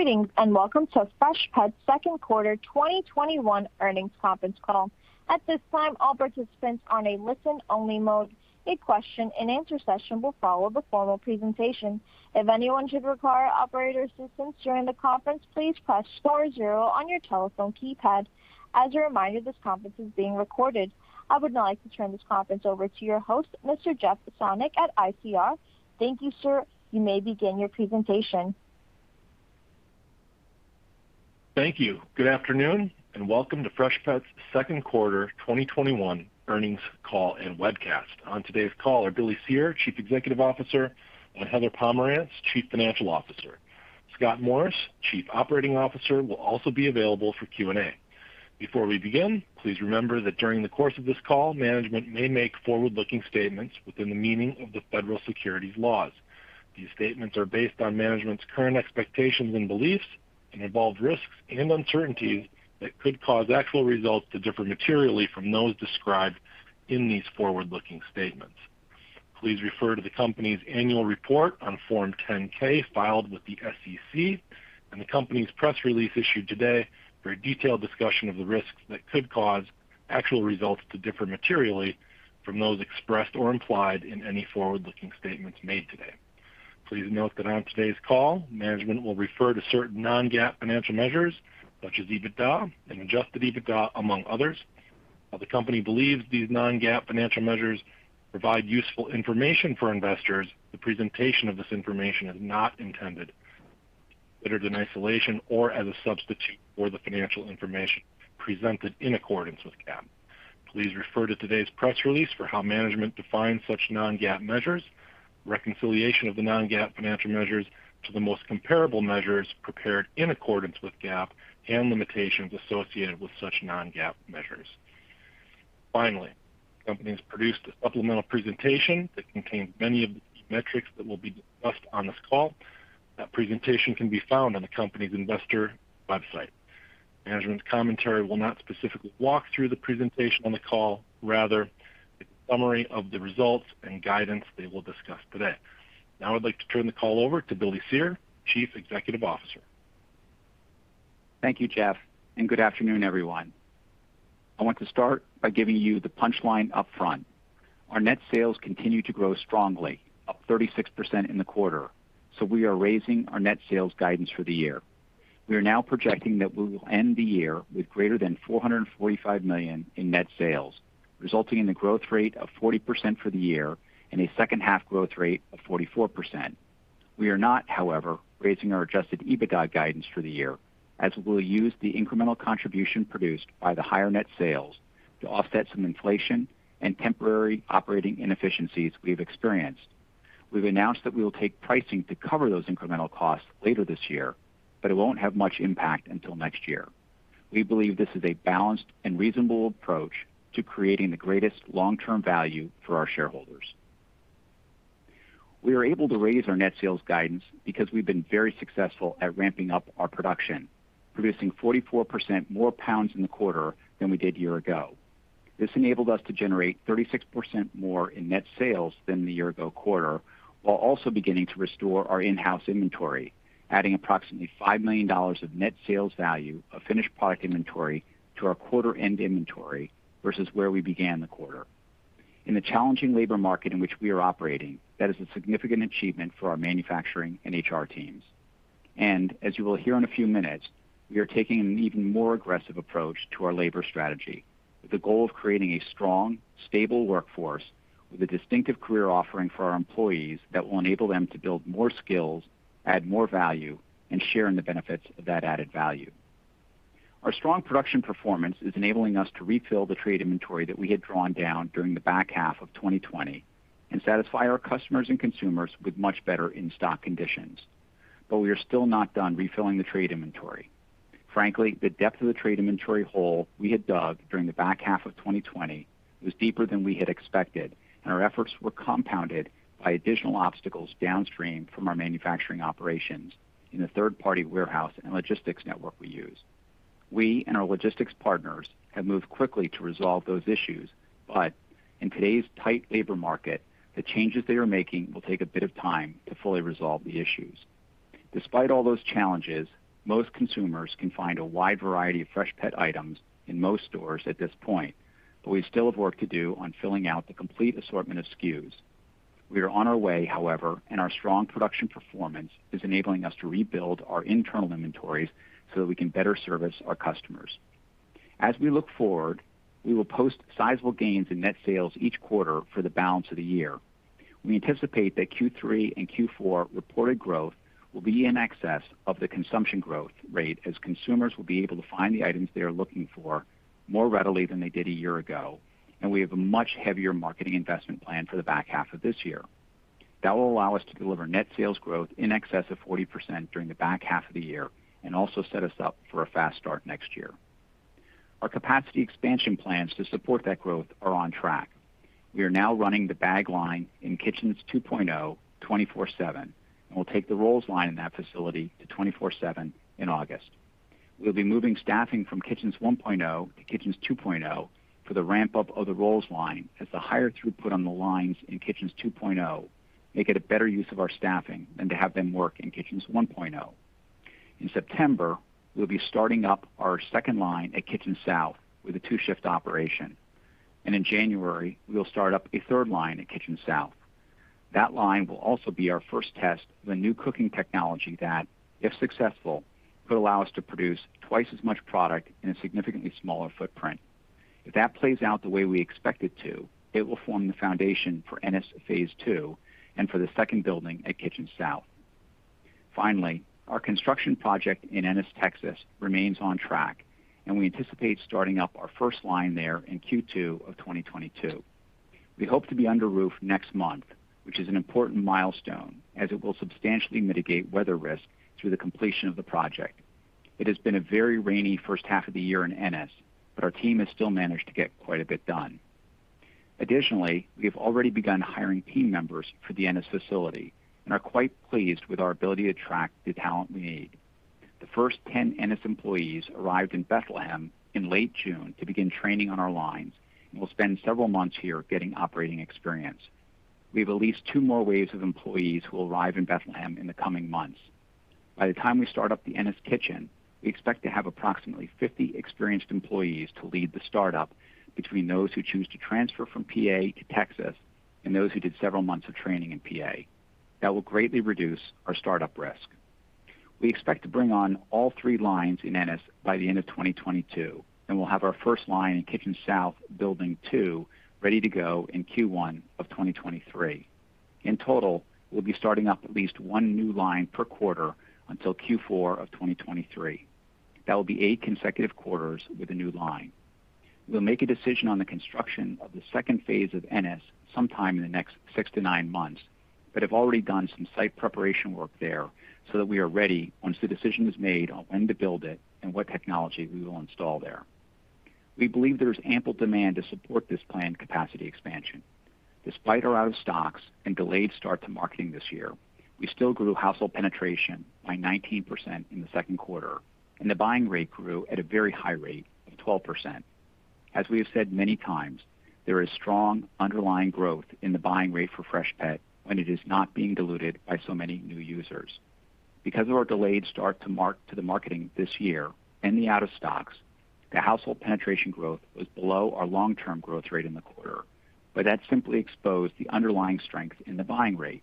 Greetings nd welcome to Freshpet second quarter 2021 earnings conference call. At this time, all participants are in a listen-only mode. A question-and-answer session will follow the formal presentation. If anyone should require operator assistance during the conference, please press star zero on your telephone keypad. As a reminder, this conference is being recorded. I would now like to turn this conference over to your host, Mr. Jeff Sonnek at ICR. Thank you, sir. You may begin your presentation. Thank you. Good afternoon, and welcome to Freshpet's second quarter 2021 earnings call and webcast. On today's call are Billy Cyr, Chief Executive Officer, and Heather Pomerantz, Chief Financial Officer. Scott Morris, Chief Operating Officer, will also be available for Q&A. Before we begin, please remember that during the course of this call, management may make forward-looking statements within the meaning of the federal securities laws. These statements are based on management's current expectations and beliefs and involve risks and uncertainties that could cause actual results to differ materially from those described in these forward-looking statements. Please refer to the company's annual report on Form 10-K filed with the SEC and the company's press release issued today for a detailed discussion of the risks that could cause actual results to differ materially from those expressed or implied in any forward-looking statements made today. Please note that on today's call, management will refer to certain non-GAAP financial measures, such as EBITDA and adjusted EBITDA, among others. While the company believes these non-GAAP financial measures provide useful information for investors, the presentation of this information is not intended, whether in isolation or as a substitute for the financial information presented in accordance with GAAP. Please refer to today's press release for how management defines such non-GAAP measures, reconciliation of the non-GAAP financial measures to the most comparable measures prepared in accordance with GAAP, and limitations associated with such non-GAAP measures. Finally, the company has produced a supplemental presentation that contains many of the key metrics that will be discussed on this call. That presentation can be found on the company's investor website. Management's commentary will not specifically walk through the presentation on the call, rather a summary of the results and guidance they will discuss today. Now I'd like to turn the call over to Billy Cyr, Chief Executive Officer. Thank you, Jeff, and good afternoon, everyone. I want to start by giving you the punchline up front. Our net sales continue to grow strongly, up 36% in the quarter, so we are raising our net sales guidance for the year. We are now projecting that we will end the year with greater than $445 million in net sales, resulting in a growth rate of 40% for the year and a second half growth rate of 44%. We are not, however, raising our adjusted EBITDA guidance for the year, as we'll use the incremental contribution produced by the higher net sales to offset some inflation and temporary operating inefficiencies we've experienced. We've announced that we will take pricing to cover those incremental costs later this year, but it won't have much impact until next year. We believe this is a balanced and reasonable approach to creating the greatest long-term value for our shareholders. We are able to raise our net sales guidance because we've been very successful at ramping up our production, producing 44% more pounds in the quarter than we did a year ago. This enabled us to generate 36% more in net sales than the year ago quarter, while also beginning to restore our in-house inventory, adding approximately $5 million of net sales value of finished product inventory to our quarter-end inventory versus where we began the quarter. In the challenging labor market in which we are operating, that is a significant achievement for our manufacturing and HR teams. As you will hear in a few minutes, we are taking an even more aggressive approach to our labor strategy with the goal of creating a strong, stable workforce with a distinctive career offering for our employees that will enable them to build more skills, add more value, and share in the benefits of that added value. Our strong production performance is enabling us to refill the trade inventory that we had drawn down during the back half of 2020 and satisfy our customers and consumers with much better in-stock conditions. We are still not done refilling the trade inventory. Frankly, the depth of the trade inventory hole we had dug during the back half of 2020 was deeper than we had expected, and our efforts were compounded by additional obstacles downstream from our manufacturing operations in the third-party warehouse and logistics network we use. We and our logistics partners have moved quickly to resolve those issues, but in today's tight labor market, the changes they are making will take a bit of time to fully resolve the issues. Despite all those challenges, most consumers can find a wide variety of Freshpet items in most stores at this point, but we still have work to do on filling out the complete assortment of SKUs. We are on our way, however, and our strong production performance is enabling us to rebuild our internal inventories so that we can better service our customers. As we look forward, we will post sizable gains in net sales each quarter for the balance of the year. We anticipate that Q3 and Q4 reported growth will be in excess of the consumption growth rate as consumers will be able to find the items they are looking for more readily than they did a year ago, and we have a much heavier marketing investment plan for the back half of this year. That will allow us to deliver net sales growth in excess of 40% during the back half of the year and also set us up for a fast start next year. Our capacity expansion plans to support that growth are on track. We are now running the bag line in Kitchens 2.0 24/7 and will take the rolls line in that facility to 24/7 in August. We'll be moving staffing from Kitchens 1.0 to Kitchens 2.0 for the ramp-up of the rolls line, as the higher throughput on the lines in Kitchens 2.0 make it a better use of our staffing than to have them work in Kitchens 1.0. In September, we'll be starting up our second line at Kitchens South with a two-shift operation. In January, we will start up a third line at Kitchens South. That line will also be our first test of a new cooking technology that, if successful, could allow us to produce twice as much product in a significantly smaller footprint. If that plays out the way we expect it to, it will form the foundation for Ennis phase II and for the second building at Kitchens South. Finally, our construction project in Ennis, Texas remains on track, and we anticipate starting up our first line there in Q2 of 2022. We hope to be under roof next month, which is an important milestone as it will substantially mitigate weather risk through the completion of the project. It has been a very rainy first half of the year in Ennis, but our team has still managed to get quite a bit done. Additionally, we have already begun hiring team members for the Ennis facility and are quite pleased with our ability to attract the talent we need. The first 10 Ennis employees arrived in Bethlehem in late June to begin training on our lines and will spend several months here getting operating experience. We have at least two more waves of employees who will arrive in Bethlehem in the coming months. By the time we start up the Ennis kitchen, we expect to have approximately 50 experienced employees to lead the start-up between those who choose to transfer from PA to Texas and those who did several months of training in PA. That will greatly reduce our start-up risk. We expect to bring on all three lines in Ennis by the end of 2022, and we'll have our first line in Kitchens South building two ready to go in Q1 of 2023. In total, we'll be starting up at least one new line per quarter until Q4 of 2023. That will be eight consecutive quarters with a new line. We'll make a decision on the construction of the second phase of Ennis sometime in the next six to nine months, but have already done some site preparation work there so that we are ready once the decision is made on when to build it and what technology we will install there. We believe there is ample demand to support this planned capacity expansion. Despite our out of stocks and delayed start to marketing this year, we still grew household penetration by 19% in the second quarter, and the buying rate grew at a very high rate of 12%. As we have said many times, there is strong underlying growth in the buying rate for Freshpet when it is not being diluted by so many new users. Because of our delayed start to the marketing this year and the out of stocks, the household penetration growth was below our long-term growth rate in the quarter. That simply exposed the underlying strength in the buying rate.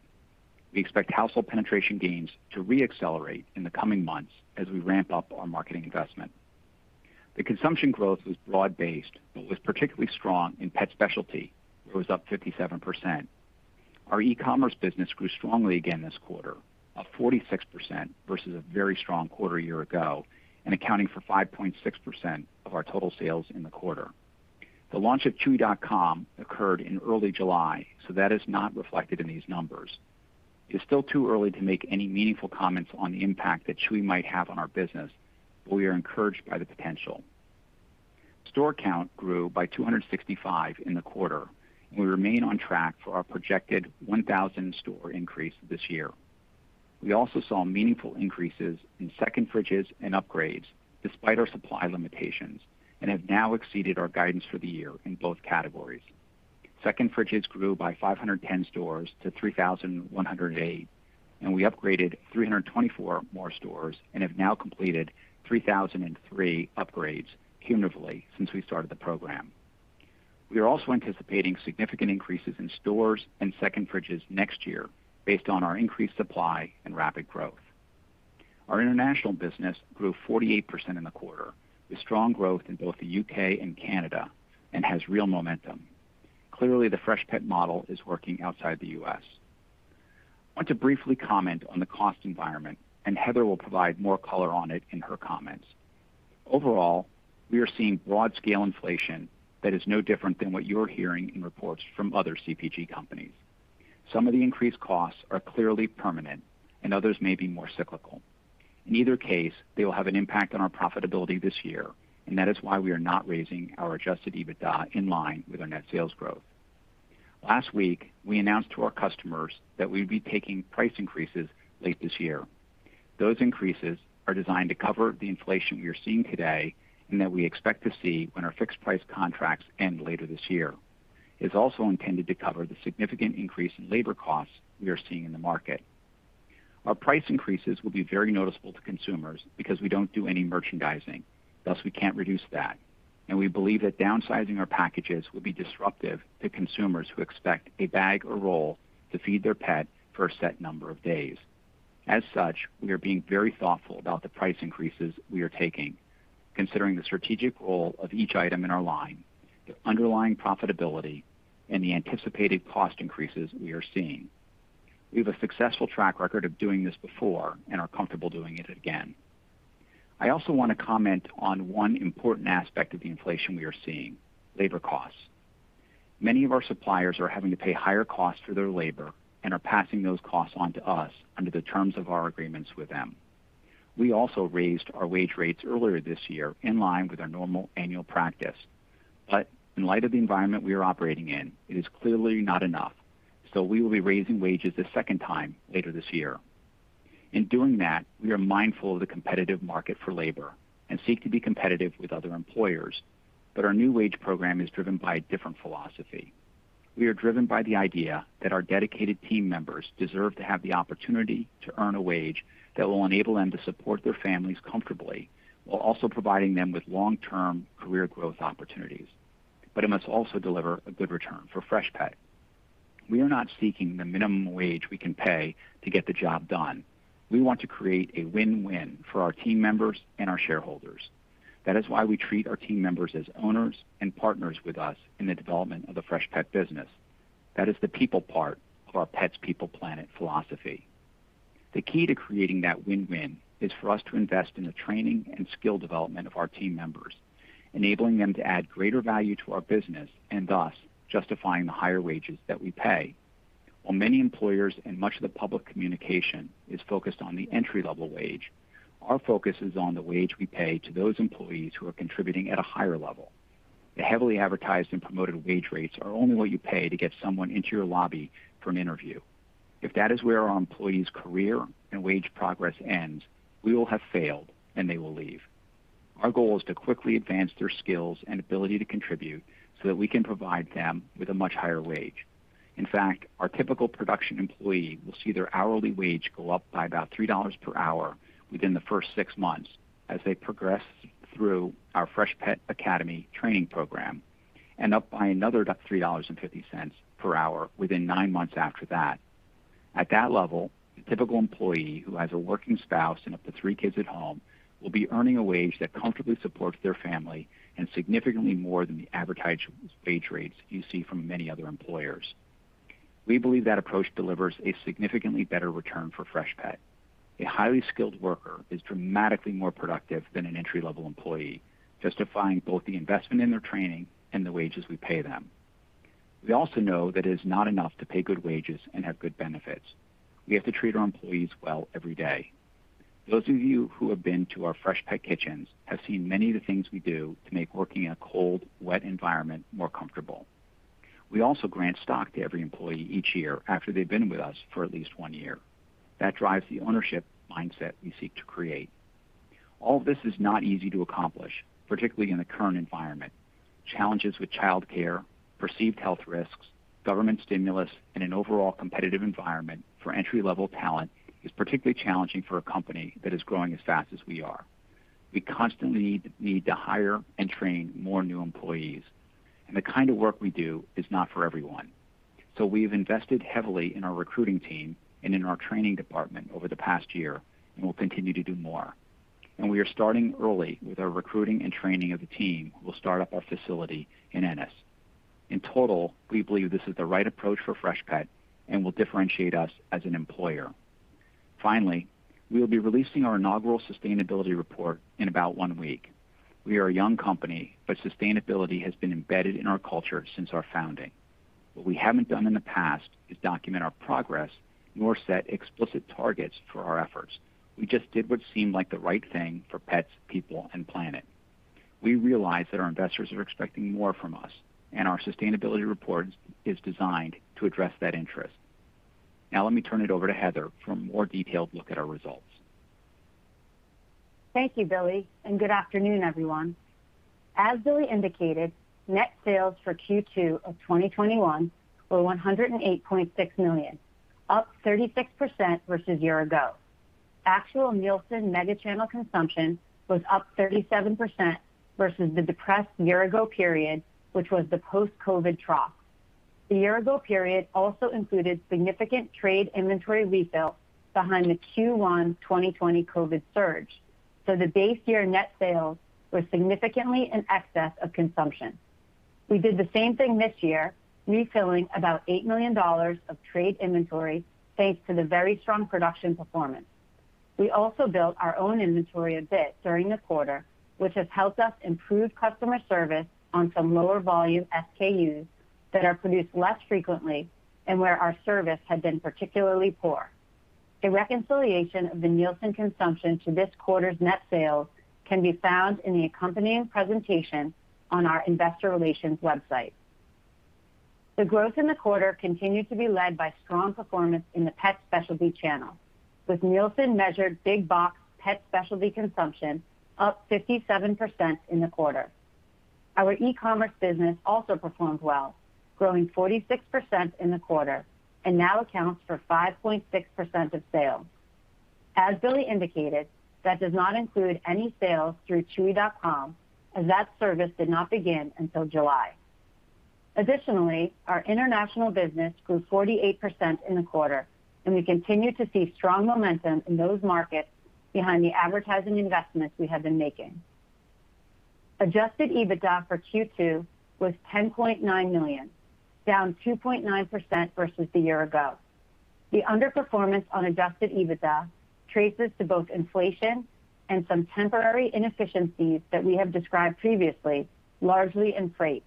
We expect household penetration gains to re-accelerate in the coming months as we ramp up our marketing investment. The consumption growth was broad-based but was particularly strong in pet specialty. It was up 57%. Our e-commerce business grew strongly again this quarter of 46% versus a very strong quarter a year ago, and accounting for 5.6% of our total sales in the quarter. The launch of Chewy.com occurred in early July. That is not reflected in these numbers. It's still too early to make any meaningful comments on the impact that Chewy might have on our business. We are encouraged by the potential. Store count grew by 265 in the quarter, and we remain on track for our projected 1,000 store increase this year. We also saw meaningful increases in second fridges and upgrades despite our supply limitations, and have now exceeded our guidance for the year in both categories. Second fridges grew by 510 stores to 3,108, and we upgraded 324 more stores and have now completed 3,003 upgrades cumulatively since we started the program. We are also anticipating significant increases in stores and second fridges next year based on our increased supply and rapid growth. Our international business grew 48% in the quarter with strong growth in both the U.K. and Canada and has real momentum. Clearly, the Freshpet model is working outside the U.S. I want to briefly comment on the cost environment, and Heather will provide more color on it in her comments. Overall, we are seeing broad scale inflation that is no different than what you're hearing in reports from other CPG companies. Some of the increased costs are clearly permanent and others may be more cyclical. In either case, they will have an impact on our profitability this year, and that is why we are not raising our adjusted EBITDA in line with our net sales growth. Last week, we announced to our customers that we'd be taking price increases late this year. Those increases are designed to cover the inflation we are seeing today and that we expect to see when our fixed price contracts end later this year. It's also intended to cover the significant increase in labor costs we are seeing in the market. Our price increases will be very noticeable to consumers because we don't do any merchandising, thus we can't reduce that. We believe that downsizing our packages will be disruptive to consumers who expect a bag or roll to feed their pet for a set number of days. As such, we are being very thoughtful about the price increases we are taking, considering the strategic role of each item in our line, the underlying profitability, and the anticipated cost increases we are seeing. We have a successful track record of doing this before and are comfortable doing it again. I also want to comment on one important aspect of the inflation we are seeing, labor costs. Many of our suppliers are having to pay higher costs for their labor and are passing those costs on to us under the terms of our agreements with them. We also raised our wage rates earlier this year in line with our normal annual practice. In light of the environment we are operating in, it is clearly not enough. We will be raising wages a second time later this year. In doing that, we are mindful of the competitive market for labor and seek to be competitive with other employers. Our new wage program is driven by a different philosophy. We are driven by the idea that our dedicated team members deserve to have the opportunity to earn a wage that will enable them to support their families comfortably, while also providing them with long-term career growth opportunities. It must also deliver a good return for Freshpet. We are not seeking the minimum wage we can pay to get the job done. We want to create a win-win for our team members and our shareholders. That is why we treat our team members as owners and partners with us in the development of the Freshpet business. That is the people part of our Pets, People, Planet philosophy. The key to creating that win-win is for us to invest in the training and skill development of our team members, enabling them to add greater value to our business and thus justifying the higher wages that we pay. While many employers and much of the public communication is focused on the entry level wage, our focus is on the wage we pay to those employees who are contributing at a higher level. The heavily advertised and promoted wage rates are only what you pay to get someone into your lobby for an interview. If that is where our employees' career and wage progress ends, we will have failed, and they will leave. Our goal is to quickly advance their skills and ability to contribute so that we can provide them with a much higher wage. In fact, our typical production employee will see their hourly wage go up by about $3 per hour within the first six months as they progress through our Freshpet Academy training program, and up by another $3.50 per hour within nine months after that. At that level, the typical employee who has a working spouse and up to three kids at home will be earning a wage that comfortably supports their family and significantly more than the advertised wage rates you see from many other employers. We believe that approach delivers a significantly better return for Freshpet. A highly skilled worker is dramatically more productive than an entry level employee, justifying both the investment in their training and the wages we pay them. We also know that it is not enough to pay good wages and have good benefits. We have to treat our employees well every day. Those of you who have been to our Freshpet kitchens have seen many of the things we do to make working in a cold, wet environment more comfortable. We also grant stock to every employee each year after they've been with us for at least one year. That drives the ownership mindset we seek to create. All of this is not easy to accomplish, particularly in the current environment. Challenges with childcare, perceived health risks, government stimulus, and an overall competitive environment for entry-level talent is particularly challenging for a company that is growing as fast as we are. We constantly need to hire and train more new employees, and the kind of work we do is not for everyone. We've invested heavily in our recruiting team and in our training department over the past year and will continue to do more. We are starting early with our recruiting and training of the team who will start up our facility in Ennis. In total, we believe this is the right approach for Freshpet and will differentiate us as an employer. Finally, we will be releasing our inaugural sustainability report in about one week. We are a young company, but sustainability has been embedded in our culture since our founding. What we haven't done in the past is document our progress, nor set explicit targets for our efforts. We just did what seemed like the right thing for Pets, People, Planet. We realize that our investors are expecting more from us, and our sustainability report is designed to address that interest. Let me turn it over to Heather for a more detailed look at our results. Thank you, Billy, and good afternoon, everyone. As Billy indicated, net sales for Q2 of 2021 were $108.6 million, up 36% versus a year ago. Actual Nielsen mega channel consumption was up 37% versus the depressed year ago period, which was the post-COVID trough. The year ago period also included significant trade inventory refill behind the Q1 2020 COVID surge. The base year net sales were significantly in excess of consumption. We did the same thing this year, refilling about $8 million of trade inventory thanks to the very strong production performance. We also built our own inventory a bit during the quarter, which has helped us improve customer service on some lower volume SKUs that are produced less frequently and where our service had been particularly poor. A reconciliation of the Nielsen consumption to this quarter's net sales can be found in the accompanying presentation on our investor relations website. The growth in the quarter continued to be led by strong performance in the pet specialty channel, with Nielsen measured big box pet specialty consumption up 57% in the quarter. Our e-commerce business also performed well, growing 46% in the quarter and now accounts for 5.6% of sales. As Billy indicated, that does not include any sales through Chewy.com, as that service did not begin until July. Our international business grew 48% in the quarter, and we continue to see strong momentum in those markets behind the advertising investments we have been making. Adjusted EBITDA for Q2 was $10.9 million, down 2.9% versus the year ago. The underperformance on adjusted EBITDA traces to both inflation and some temporary inefficiencies that we have described previously, largely in freight.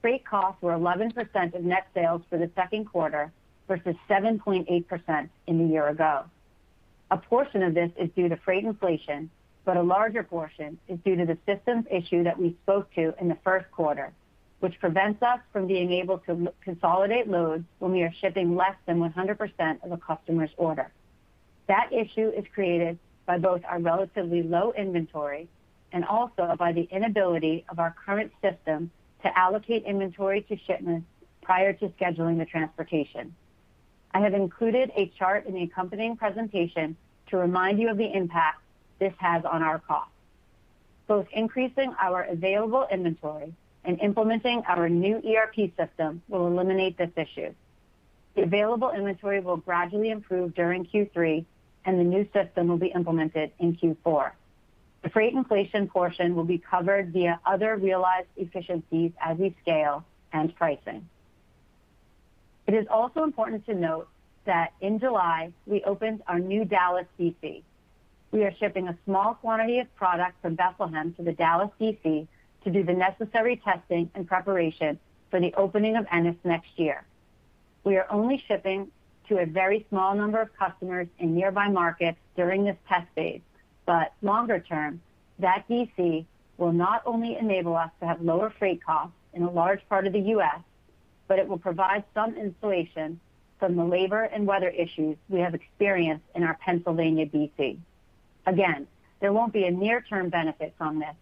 Freight costs were 11% of net sales for the second quarter versus 7.8% in the year ago. A portion of this is due to freight inflation, but a larger portion is due to the systems issue that we spoke to in the first quarter, which prevents us from being able to consolidate loads when we are shipping less than 100% of a customer's order. That issue is created by both our relatively low inventory and also by the inability of our current system to allocate inventory to shipments prior to scheduling the transportation. I have included a chart in the accompanying presentation to remind you of the impact this has on our costs. Both increasing our available inventory and implementing our new ERP system will eliminate this issue. The available inventory will gradually improve during Q3, and the new system will be implemented in Q4. The freight inflation portion will be covered via other realized efficiencies as we scale and pricing. It is also important to note that in July, we opened our new Dallas D.C. We are shipping a small quantity of product from Bethlehem to the Dallas D.C. to do the necessary testing and preparation for the opening of Ennis next year. We are only shipping to a very small number of customers in nearby markets during this test phase, but longer term, that D.C. will not only enable us to have lower freight costs in a large part of the U.S., but it will provide some insulation from the labor and weather issues we have experienced in our Pennsylvania D.C. Again, there won't be a near-term benefit from this,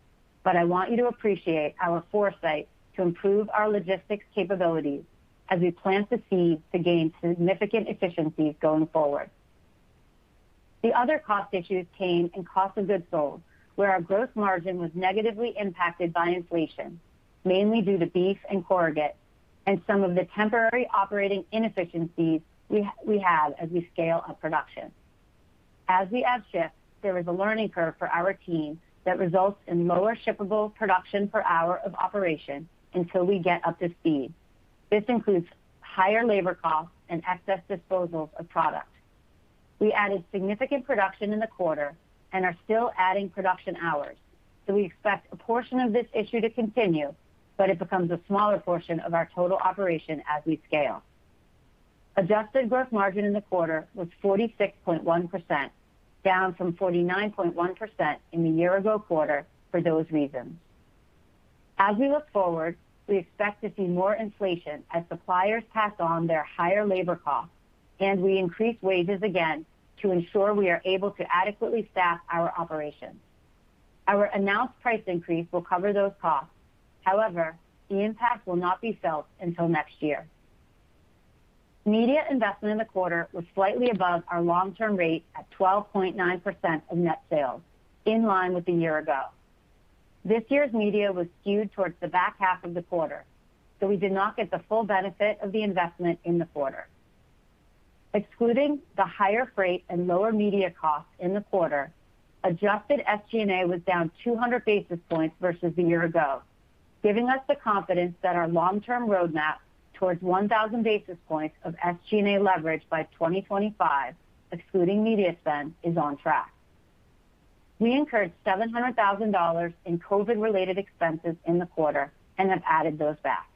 but I want you to appreciate our foresight to improve our logistics capabilities as we plant the seed to gain significant efficiencies going forward. The other cost issues came in cost of goods sold, where our gross margin was negatively impacted by inflation, mainly due to beef and corrugate, and some of the temporary operating inefficiencies we had as we scale up production. As we add shifts, there is a learning curve for our team that results in lower shippable production per hour of operation until we get up to speed. This includes higher labor costs and excess disposals of product. We added significant production in the quarter and are still adding production hours, so we expect a portion of this issue to continue, but it becomes a smaller portion of our total operation as we scale. Adjusted gross margin in the quarter was 46.1%, down from 49.1% in the year-ago quarter for those reasons. As we look forward, we expect to see more inflation as suppliers pass on their higher labor costs, and we increase wages again to ensure we are able to adequately staff our operations. Our announced price increase will cover those costs. However, the impact will not be felt until next year. Media investment in the quarter was slightly above our long-term rate at 12.9% of net sales, in line with a year ago. This year's media was skewed towards the back half of the quarter, so we did not get the full benefit of the investment in the quarter. Excluding the higher freight and lower media costs in the quarter, adjusted SG&A was down 200 basis points versus a year ago, giving us the confidence that our long-term roadmap towards 1,000 basis points of SG&A leverage by 2025, excluding media spend, is on track. We incurred $700,000 in COVID-related expenses in the quarter and have added those back.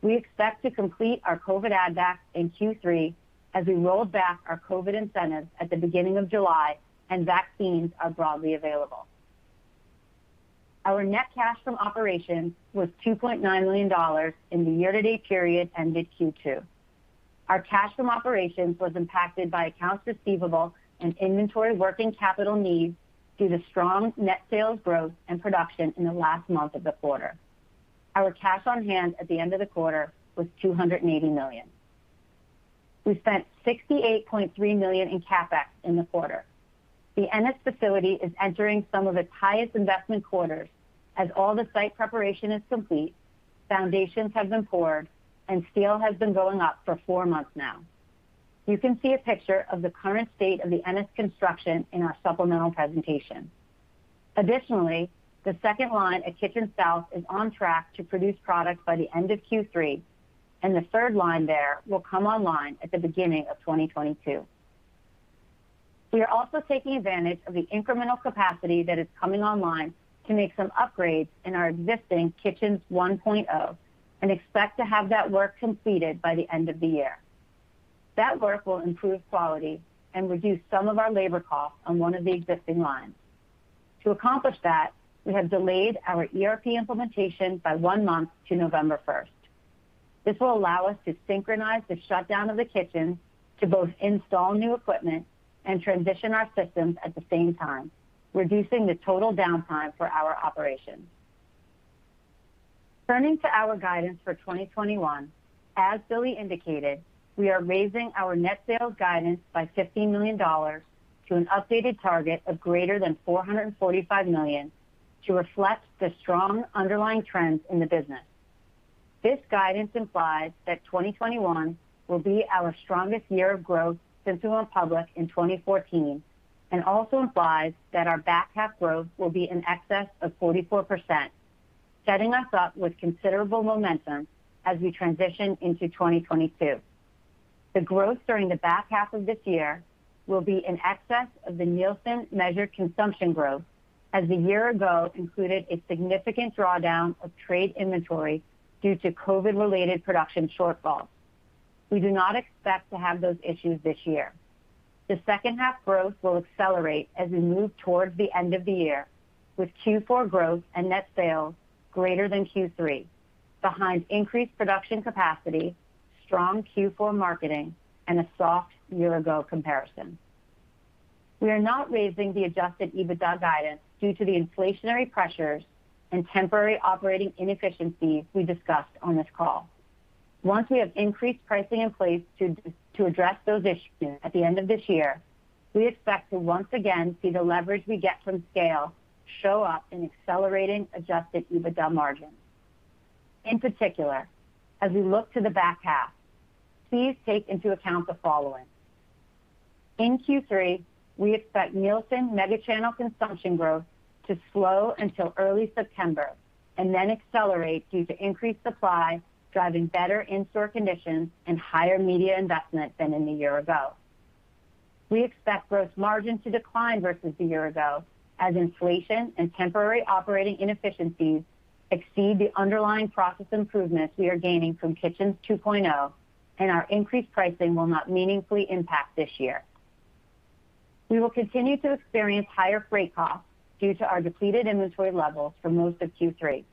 We expect to complete our COVID add back in Q3 as we rolled back our COVID incentives at the beginning of July and vaccines are broadly available. Our net cash from operations was $2.9 million in the year-to-date period ended Q2. Our cash from operations was impacted by accounts receivable and inventory working capital needs due to strong net sales growth and production in the last month of the quarter. Our cash on hand at the end of the quarter was $280 million. We spent $68.3 million in CapEx in the quarter. The Ennis facility is entering some of its highest investment quarters as all the site preparation is complete, foundations have been poured, and steel has been going up for four months now. You can see a picture of the current state of the Ennis construction in our supplemental presentation. The second line at Kitchens South is on track to produce product by the end of Q3, and the third line there will come online at the beginning of 2022. We are also taking advantage of the incremental capacity that is coming online to make some upgrades in our existing Kitchens 1.0 and expect to have that work completed by the end of the year. That work will improve quality and reduce some of our labor costs on one of the existing lines. To accomplish that, we have delayed our ERP implementation by one month to November 1st. This will allow us to synchronize the shutdown of the kitchen to both install new equipment and transition our systems at the same time, reducing the total downtime for our operations. Turning to our guidance for 2021, as Billy indicated, we are raising our net sales guidance by $15 million to an updated target of greater than $445 million to reflect the strong underlying trends in the business. This guidance implies that 2021 will be our strongest year of growth since we went public in 2014 and also implies that our back half growth will be in excess of 44%, setting us up with considerable momentum as we transition into 2022. The growth during the back half of this year will be in excess of the Nielsen measured consumption growth. As a year ago included a significant drawdown of trade inventory due to COVID-related production shortfalls. We do not expect to have those issues this year. The second half growth will accelerate as we move towards the end of the year, with Q4 growth and net sales greater than Q3 behind increased production capacity, strong Q4 marketing, and a soft year-ago comparison. We are not raising the adjusted EBITDA guidance due to the inflationary pressures and temporary operating inefficiencies we discussed on this call. Once we have increased pricing in place to address those issues at the end of this year, we expect to once again see the leverage we get from scale show up in accelerating adjusted EBITDA margins. In particular, as we look to the back half, please take into account the following. In Q3, we expect Nielsen mega channel consumption growth to slow until early September and then accelerate due to increased supply, driving better in-store conditions and higher media investment than in the year ago. We expect gross margin to decline versus a year ago as inflation and temporary operating inefficiencies exceed the underlying process improvements we are gaining from Kitchen 2.0 and our increased pricing will not meaningfully impact this year. We will continue to experience higher freight costs due to our depleted inventory levels for most of Q3.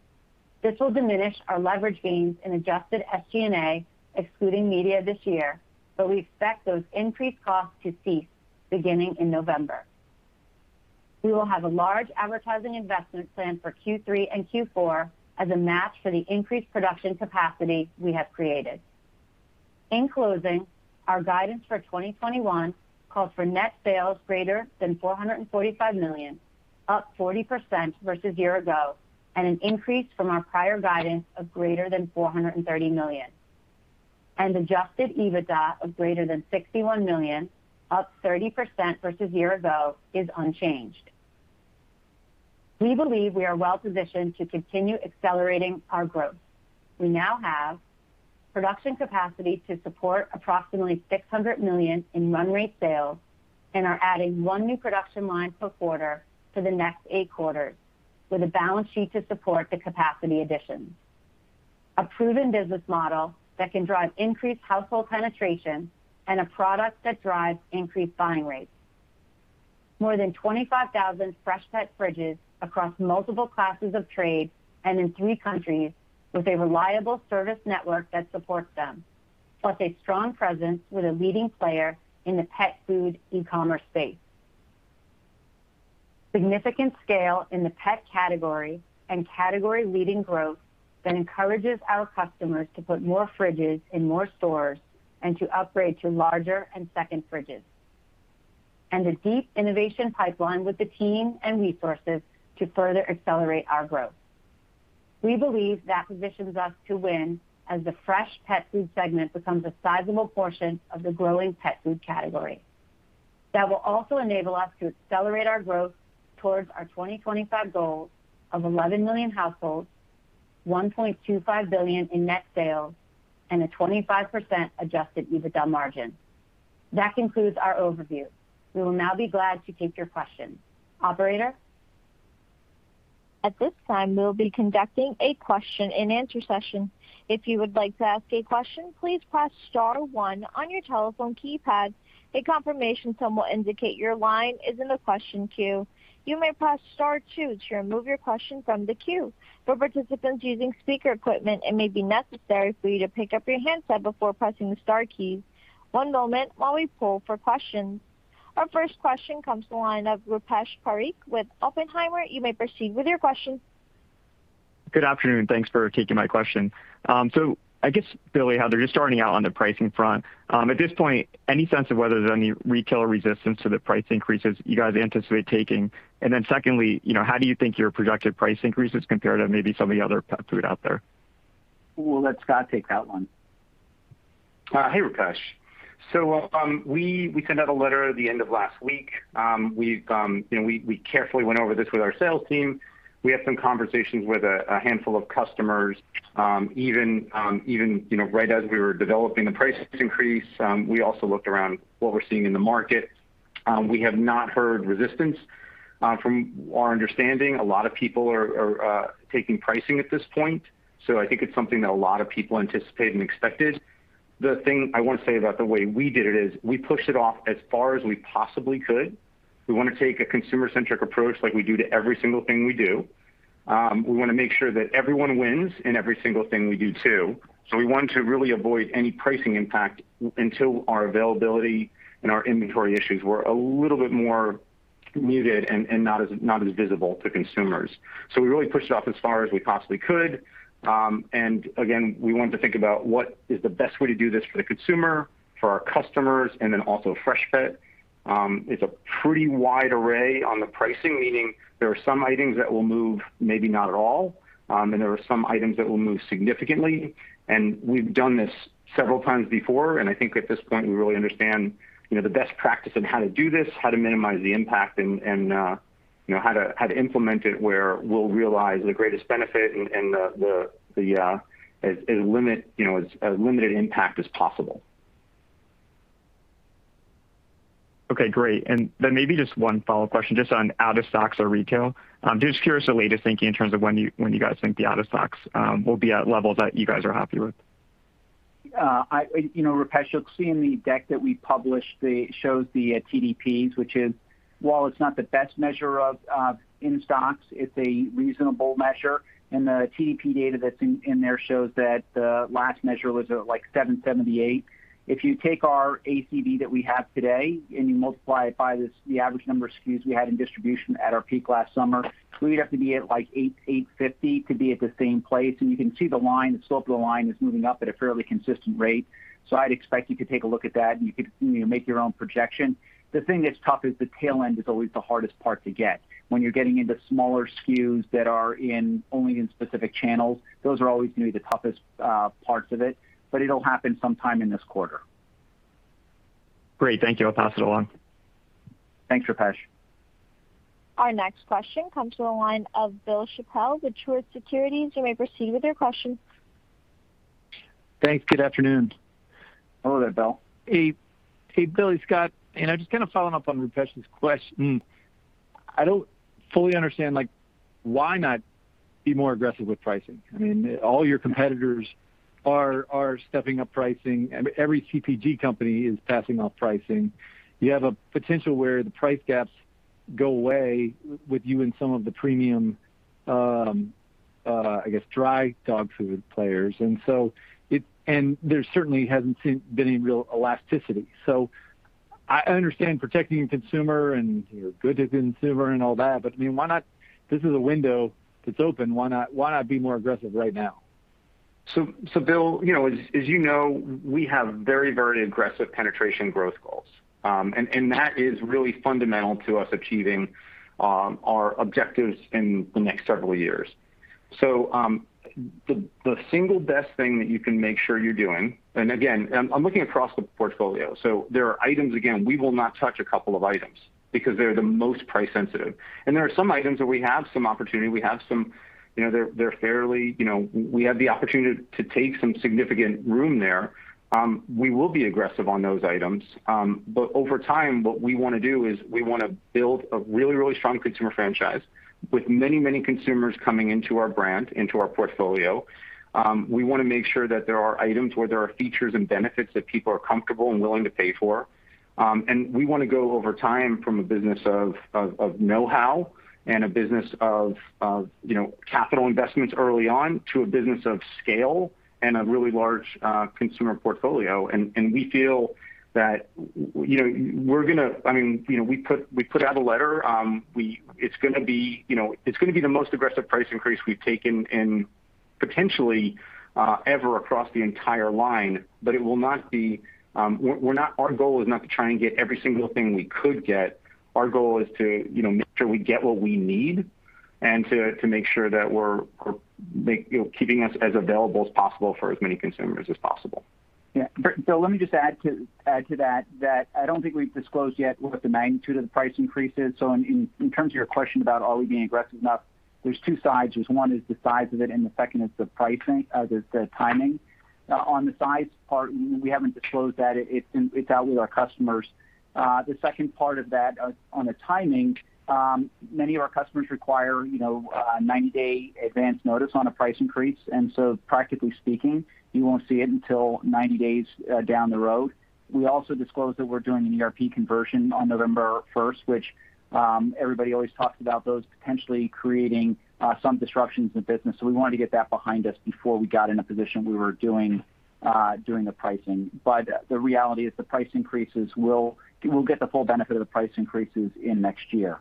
This will diminish our leverage gains in adjusted SG&A, excluding media this year, but we expect those increased costs to cease beginning in November. We will have a large advertising investment plan for Q3 and Q4 as a match for the increased production capacity we have created. In closing, our guidance for 2021 calls for net sales greater than $445 million, up 40% versus year-ago, an increase from our prior guidance of greater than $430 million. Adjusted EBITDA of greater than $61 million, up 30% versus year-ago, is unchanged. We believe we are well positioned to continue accelerating our growth. We now have production capacity to support approximately $600 million in run rate sales and are adding one new production line per quarter for the next eight quarters with a balance sheet to support the capacity additions. A proven business model that can drive increased household penetration and a product that drives increased buying rates. More than 25,000 Freshpet fridges across multiple classes of trade and in three countries with a reliable service network that supports them, plus a strong presence with a leading player in the pet food e-commerce space. Significant scale in the pet category and category-leading growth that encourages our customers to put more fridges in more stores and to upgrade to larger and second fridges. A deep innovation pipeline with the team and resources to further accelerate our growth. We believe that positions us to win as the fresh pet food segment becomes a sizable portion of the growing pet food category. That will also enable us to accelerate our growth towards our 2025 goals of 11 million households, $1.25 billion in net sales, and a 25% adjusted EBITDA margin. That concludes our overview. We will now be glad to take your questions. Operator? At this time, we'll be conducting a question-and-answer session. If you would like to ask a question, please press star one on your telephone keypad. A confirmation tone will indicate your line is in the question queue. You may press star two to remove your question from the queue. For participants using speaker equipment, it may be necessary for you to pick up your handset before pressing the star key. One moment while we poll for questions. Our first question comes to the line of Rupesh Parikh with Oppenheimer. You may proceed with your question. Good afternoon. Thanks for taking my question. I guess, Billy, Heather, just starting out on the pricing front. At this point, any sense of whether there's any retail resistance to the price increases you guys anticipate taking? And then secondly, how do you think your projected price increases compare to maybe some of the other pet food out there? We'll let Scott take that one. Hey, Rupesh. We sent out a letter at the end of last week. We carefully went over this with our sales team. We had some conversations with a handful of customers, even right as we were developing the price increase. We also looked around what we're seeing in the market. We have not heard resistance. From our understanding, a lot of people are taking pricing at this point. I think it's something that a lot of people anticipated and expected. The thing I want to say about the way we did it is we pushed it off as far as we possibly could. We want to take a consumer-centric approach like we do to every single thing we do. We want to make sure that everyone wins in every single thing we do, too. We want to really avoid any pricing impact until our availability and our inventory issues were a little bit more muted and not as visible to consumers. We really pushed it off as far as we possibly could. Again, we wanted to think about what is the best way to do this for the consumer, for our customers, and then also Freshpet. It's a pretty wide array on the pricing, meaning there are some items that will move maybe not at all, and there are some items that will move significantly. We've done this several times before, and I think at this point, we really understand the best practice on how to do this, how to minimize the impact, and how to implement it where we'll realize the greatest benefit and as limited impact as possible. Okay, great. Maybe just one follow-up question just on out of stocks or retail, just curious the latest thinking in terms of when you guys think the out of stocks will be at levels that you guys are happy with? Rupesh, you'll see in the deck that we published, shows the TDPs, which is, while it's not the best measure of in stocks, it's a reasonable measure. The TDP data that's in there shows that the last measure was at like 7.78. If you take our ACV that we have today and you multiply it by the average number of SKUs we had in distribution at our peak last summer, we'd have to be at like 8.00, 8.50 to be at the same place. You can see the line, the slope of the line is moving up at a fairly consistent rate. I'd expect you to take a look at that and you could make your own projection. The thing that's tough is the tail end is always the hardest part to get. When you're getting into smaller SKUs that are only in specific channels, those are always going to be the toughest parts of it, but it'll happen sometime in this quarter. Great. Thank you. I'll pass it along. Thanks, Rupesh. Our next question comes to the line of Bill Chappell with Truist Securities. You may proceed with your question. Thanks. Good afternoon. Hello there, Bill. Hey, Billy, Scott. Just kind of following up on Rupesh's question. I don't fully understand, why not be more aggressive with pricing? All your competitors are stepping up pricing. Every CPG company is passing off pricing. You have a potential where the price gaps go away with you and some of the premium, I guess, dry dog food players. There certainly hasn't been any real elasticity. I understand protecting the consumer and you're good to the consumer and all that, but, this is a window that's open. Why not be more aggressive right now? Bill, as you know, we have very, very aggressive penetration growth goals. That is really fundamental to us achieving our objectives in the next several years. The single best thing that you can make sure you're doing, and again, I'm looking across the portfolio. There are items, again, we will not touch a couple of items because they're the most price sensitive. There are some items that we have some opportunity, we have the opportunity to take some significant room there. We will be aggressive on those items. Over time, what we want to do is we want to build a really, really strong consumer franchise with many, many consumers coming into our brand, into our portfolio. We want to make sure that there are items where there are features and benefits that people are comfortable and willing to pay for. We want to go over time from a business of knowhow and a business of capital investments early on to a business of scale and a really large consumer portfolio. We feel that we put out a letter. It's going to be the most aggressive price increase we've taken in potentially ever across the entire line, but our goal is not to try and get every single thing we could get. Our goal is to make sure we get what we need and to make sure that we're keeping us as available as possible for as many consumers as possible. Yeah, let me just add to that I don't think we've disclosed yet what the magnitude of the price increase is. In terms of your question about are we being aggressive enough, there's two sides. There's one is the size of it, and the second is the timing. On the size part, we haven't disclosed that. It's out with our customers. The second part of that, on the timing, many of our customers require a 90-day advance notice on a price increase. Practically speaking, you won't see it until 90 days down the road. We also disclosed that we're doing an ERP conversion on November first, which everybody always talks about those potentially creating some disruptions in the business. We wanted to get that behind us before we got in a position we were doing the pricing. The reality is the price increases, we'll get the full benefit of the price increases in next year.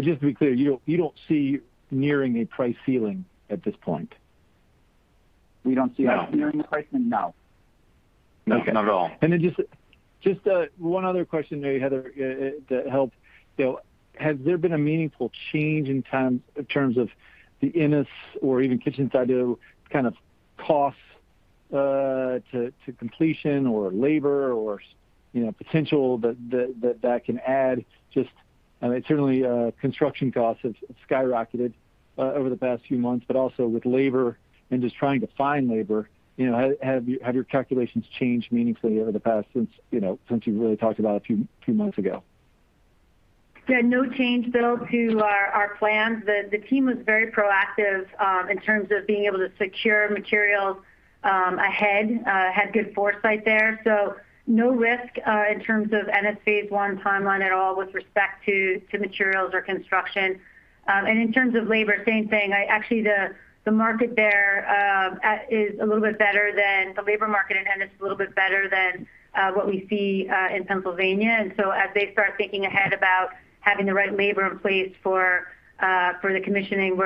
Just to be clear, you don't see nearing a price ceiling at this point? No. No, not at all. Just one other question there, Heather, that helped. Has there been a meaningful change in terms of the Ennis or even Kitchens South kind of costs to completion or labor or potential that can add, certainly construction costs have skyrocketed over the past few months, but also with labor and just trying to find labor, have your calculations changed meaningfully over the past since you've really talked about a few months ago? Yeah, no change, Bill, to our plans. The team was very proactive in terms of being able to secure materials ahead, had good foresight there. No risk in terms of Ennis phase I timeline at all with respect to materials or construction. In terms of labor, same thing. Actually, the market there is a little bit better than the labor market in Ennis, a little bit better than what we see in Pennsylvania. As they start thinking ahead about having the right labor in place for the commissioning,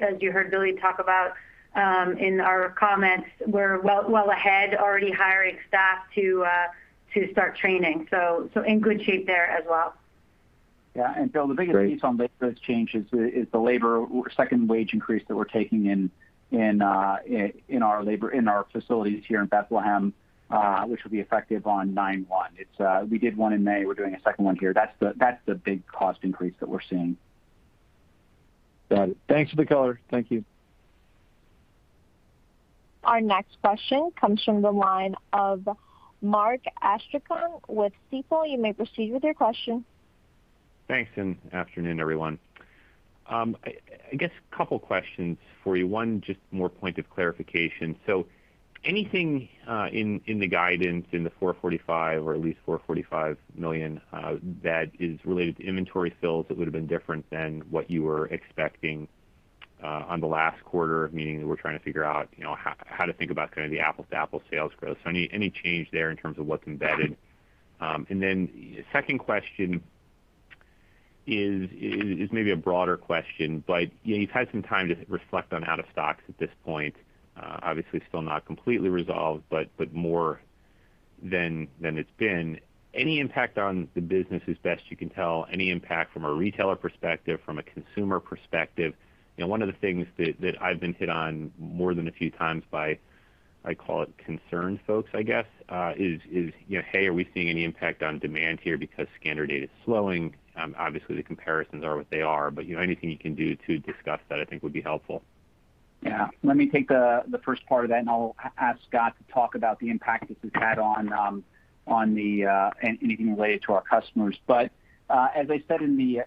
as you heard Billy Cyr talk about in our comments, we're well ahead already hiring staff to start training. In good shape there as well. Yeah. Bill, the biggest piece on labor change is the second wage increase that we're taking in our facilities here in Bethlehem, which will be effective on September 1, 2021. We did one in May. We're doing a second one here. That's the big cost increase that we're seeing. Got it. Thanks for the color. Thank you. Our next question comes from the line of Mark Astrachan with Stifel. You may proceed with your question. Thanks. Afternoon, everyone. I guess a couple questions for you. One, just more point of clarification. Anything in the guidance in the $445 million that is related to inventory fills that would've been different than what you were expecting on the last quarter? Meaning that we're trying to figure out how to think about kind of the apples-to-apples sales growth. Any change there in terms of what's embedded? Second question is maybe a broader question, but you've had some time to reflect on out of stocks at this point. Obviously still not completely resolved, but more than it's been. Any impact on the business as best you can tell, any impact from a retailer perspective, from a consumer perspective? One of the things that I've been hit on more than a few times by, I call it concerned folks, I guess, is, "Hey, are we seeing any impact on demand here because scanner data is slowing?" Obviously the comparisons are what they are. Anything you can do to discuss that, I think would be helpful. Yeah. Let me take the first part of that, and I'll ask Scott to talk about the impact this has had on anything related to our customers. As I said in the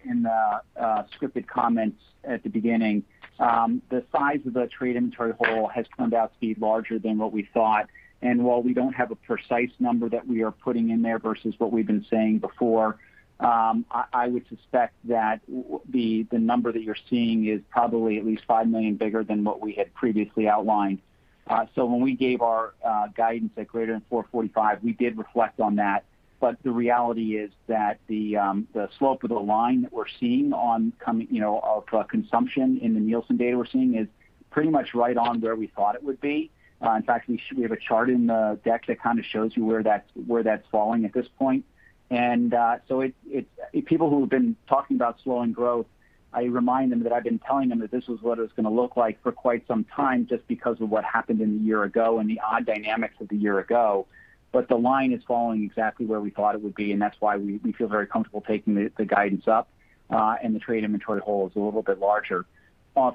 scripted comments at the beginning, the size of the trade inventory hole has turned out to be larger than what we thought. While we don't have a precise number that we are putting in there versus what we've been saying before, I would suspect that the number that you're seeing is probably at least five million bigger than what we had previously outlined. When we gave our guidance at greater than $445, we did reflect on that. The reality is that the slope of the line that we're seeing on our consumption in the Nielsen data we're seeing is pretty much right on where we thought it would be. In fact, we have a chart in the deck that kind of shows you where that's falling at this point. People who have been talking about slowing growth, I remind them that I've been telling them that this was what it was going to look like for quite some time, just because of what happened in the year ago and the odd dynamics of the year ago. The line is falling exactly where we thought it would be, and that's why we feel very comfortable taking the guidance up. The trade inventory hole is a little bit larger.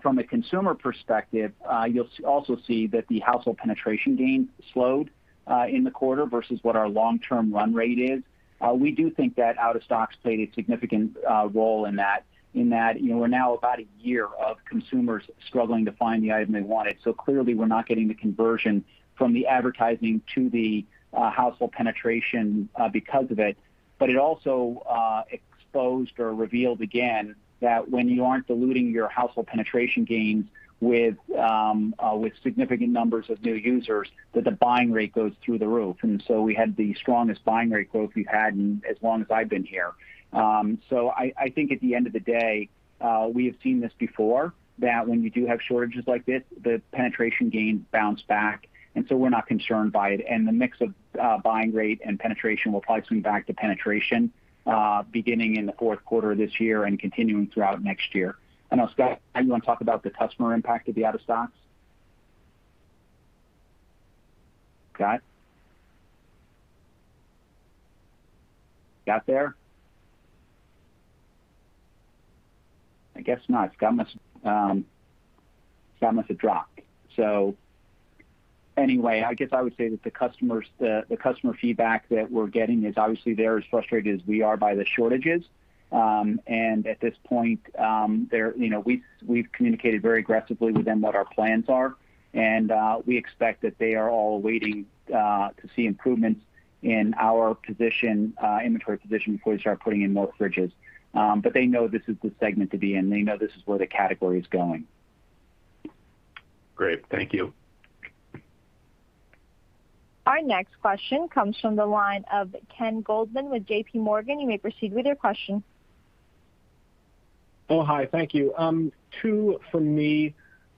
From a consumer perspective, you'll also see that the household penetration gain slowed in the quarter versus what our long-term run rate is. We do think that out of stocks played a significant role in that. In that, we're now about a year of consumers struggling to find the item they wanted. Clearly we're not getting the conversion from the advertising to the household penetration because of it. It also exposed or revealed again, that when you aren't diluting your household penetration gains with significant numbers of new users, that the buying rate goes through the roof. We had the strongest buying rate growth we've had in as long as I've been here. I think at the end of the day, we have seen this before, that when you do have shortages like this, the penetration gains bounce back. We're not concerned by it. The mix of buying rate and penetration will probably swing back to penetration, beginning in the fourth quarter of this year and continuing throughout next year. I know, Scott, how do you want to talk about the customer impact of the out of stocks? Scott? Scott there? I guess not. Scott must have dropped. Anyway, I guess I would say that the customer feedback that we're getting is obviously they're as frustrated as we are by the shortages. At this point, we've communicated very aggressively with them what our plans are. We expect that they are all waiting to see improvements in our inventory position before we start putting in more fridges. They know this is the segment to be in. They know this is where the category is going. Great. Thank you. Our next question comes from the line of Ken Goldman with JPMorgan. Oh, hi. Thank you. Two from me.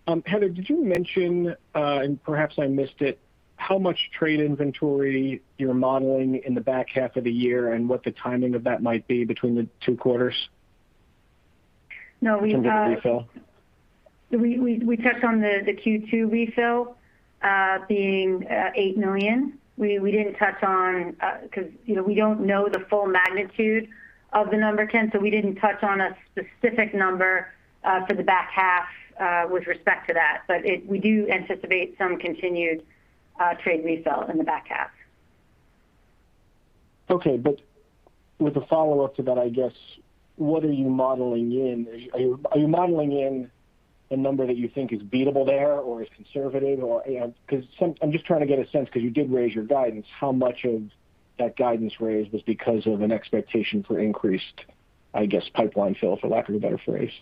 Heather, did you mention, and perhaps I missed it, how much trade inventory you're modeling in the back half of the year and what the timing of that might be between the two quarters? No. In terms of the refill. We touched on the Q2 refill, being $8 million. We didn't touch on because we don't know the full magnitude of the number, Ken, we didn't touch on a specific number for the back half, with respect to that. We do anticipate some continued trade refill in the back half. Okay. With a follow-up to that, I guess, what are you modeling in? Are you modeling in a number that you think is beatable there or is conservative? I'm just trying to get a sense because you did raise your guidance, how much of that guidance raise was because of an expectation for increased, I guess, pipeline fill, for lack of a better phrase?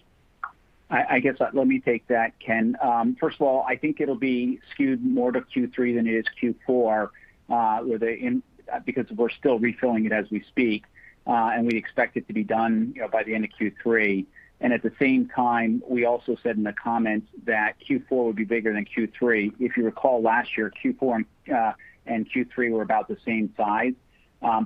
I guess let me take that, Ken. First of all, I think it'll be skewed more to Q3 than it is to Q4, because we're still refilling it as we speak. We expect it to be done by the end of Q3. At the same time, we also said in the comments that Q4 would be bigger than Q3. If you recall, last year Q4 and Q3 were about the same size.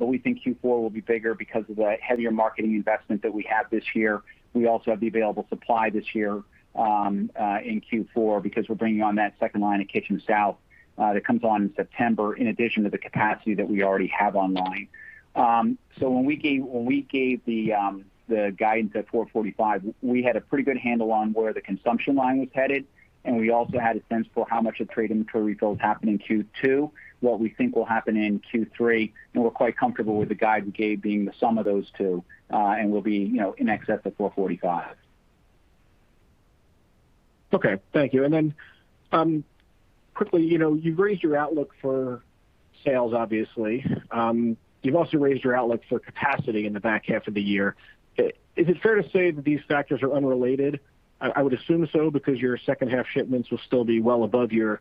We think Q4 will be bigger because of the heavier marketing investment that we have this year. We also have the available supply this year in Q4 because we're bringing on that second line at Kitchens South. That comes on in September, in addition to the capacity that we already have online. When we gave the guidance at $445, we had a pretty good handle on where the consumption line was headed, and we also had a sense for how much of trade inventory refill was happening in Q2, what we think will happen in Q3, and we're quite comfortable with the guide we gave being the sum of those two, and we'll be in excess of $445. Okay. Thank you. Quickly, you've raised your outlook for sales, obviously. You've also raised your outlook for capacity in the back half of the year. Is it fair to say that these factors are unrelated? I would assume so, because your second half shipments will still be well above your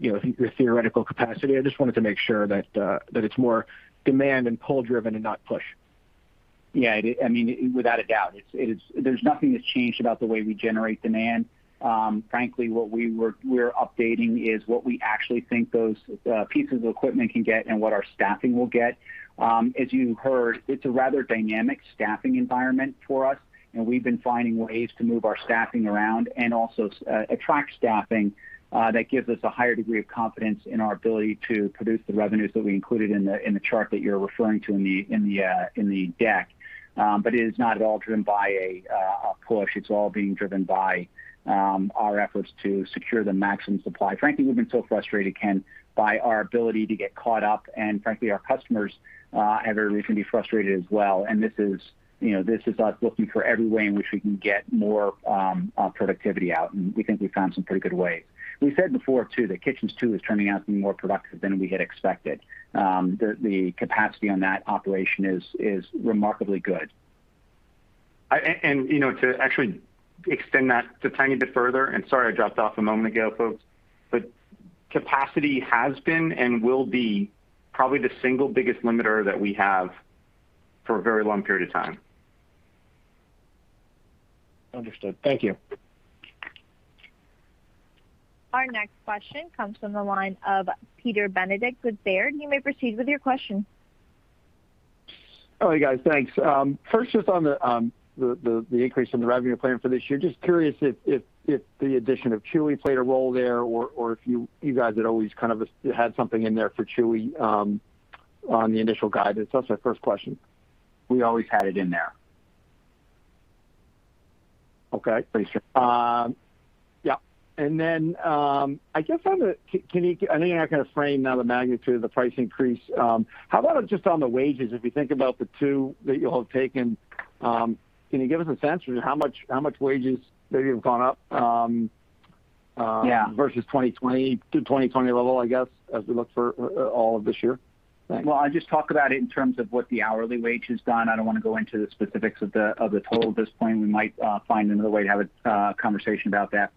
theoretical capacity. I just wanted to make sure that it's more demand and pull driven and not push. Yeah. Without a doubt. There's nothing that's changed about the way we generate demand. Frankly, what we're updating is what we actually think those pieces of equipment can get and what our staffing will get. As you heard, it's a rather dynamic staffing environment for us, and we've been finding ways to move our staffing around and also attract staffing that gives us a higher degree of confidence in our ability to produce the revenues that we included in the chart that you're referring to in the deck. It is not at all driven by a push. It's all being driven by our efforts to secure the maximum supply. Frankly, we've been so frustrated, Ken, by our ability to get caught up, and frankly, our customers have every reason to be frustrated as well. This is us looking for every way in which we can get more productivity out, and we think we've found some pretty good ways. We said before, too, that Kitchens 2 is turning out to be more productive than we had expected. The capacity on that operation is remarkably good. To actually extend that a tiny bit further, and sorry I dropped off a moment ago, folks, but capacity has been and will be probably the single biggest limiter that we have for a very long period of time. Understood. Thank you. Our next question comes from the line of Peter Benedict with Baird. Hi, guys. Thanks. First, just on the increase in the revenue plan for this year, just curious if the addition of Chewy played a role there, or if you guys had always kind of had something in there for Chewy on the initial guidance. That's my first question? We always had it in there. Okay. Thank you. Yeah. Then I guess on the-- I know you're not going to frame now the magnitude of the price increase. How about just on the wages, if you think about the two that you all have taken, can you give us a sense for how much wages maybe have gone up? Yeah versus 2020 to 2020 level, I guess, as we look for all of this year? Thanks. I just talk about it in terms of what the hourly wage has done. I don't want to go into the specifics of the total at this point. We might find another way to have a conversation about that.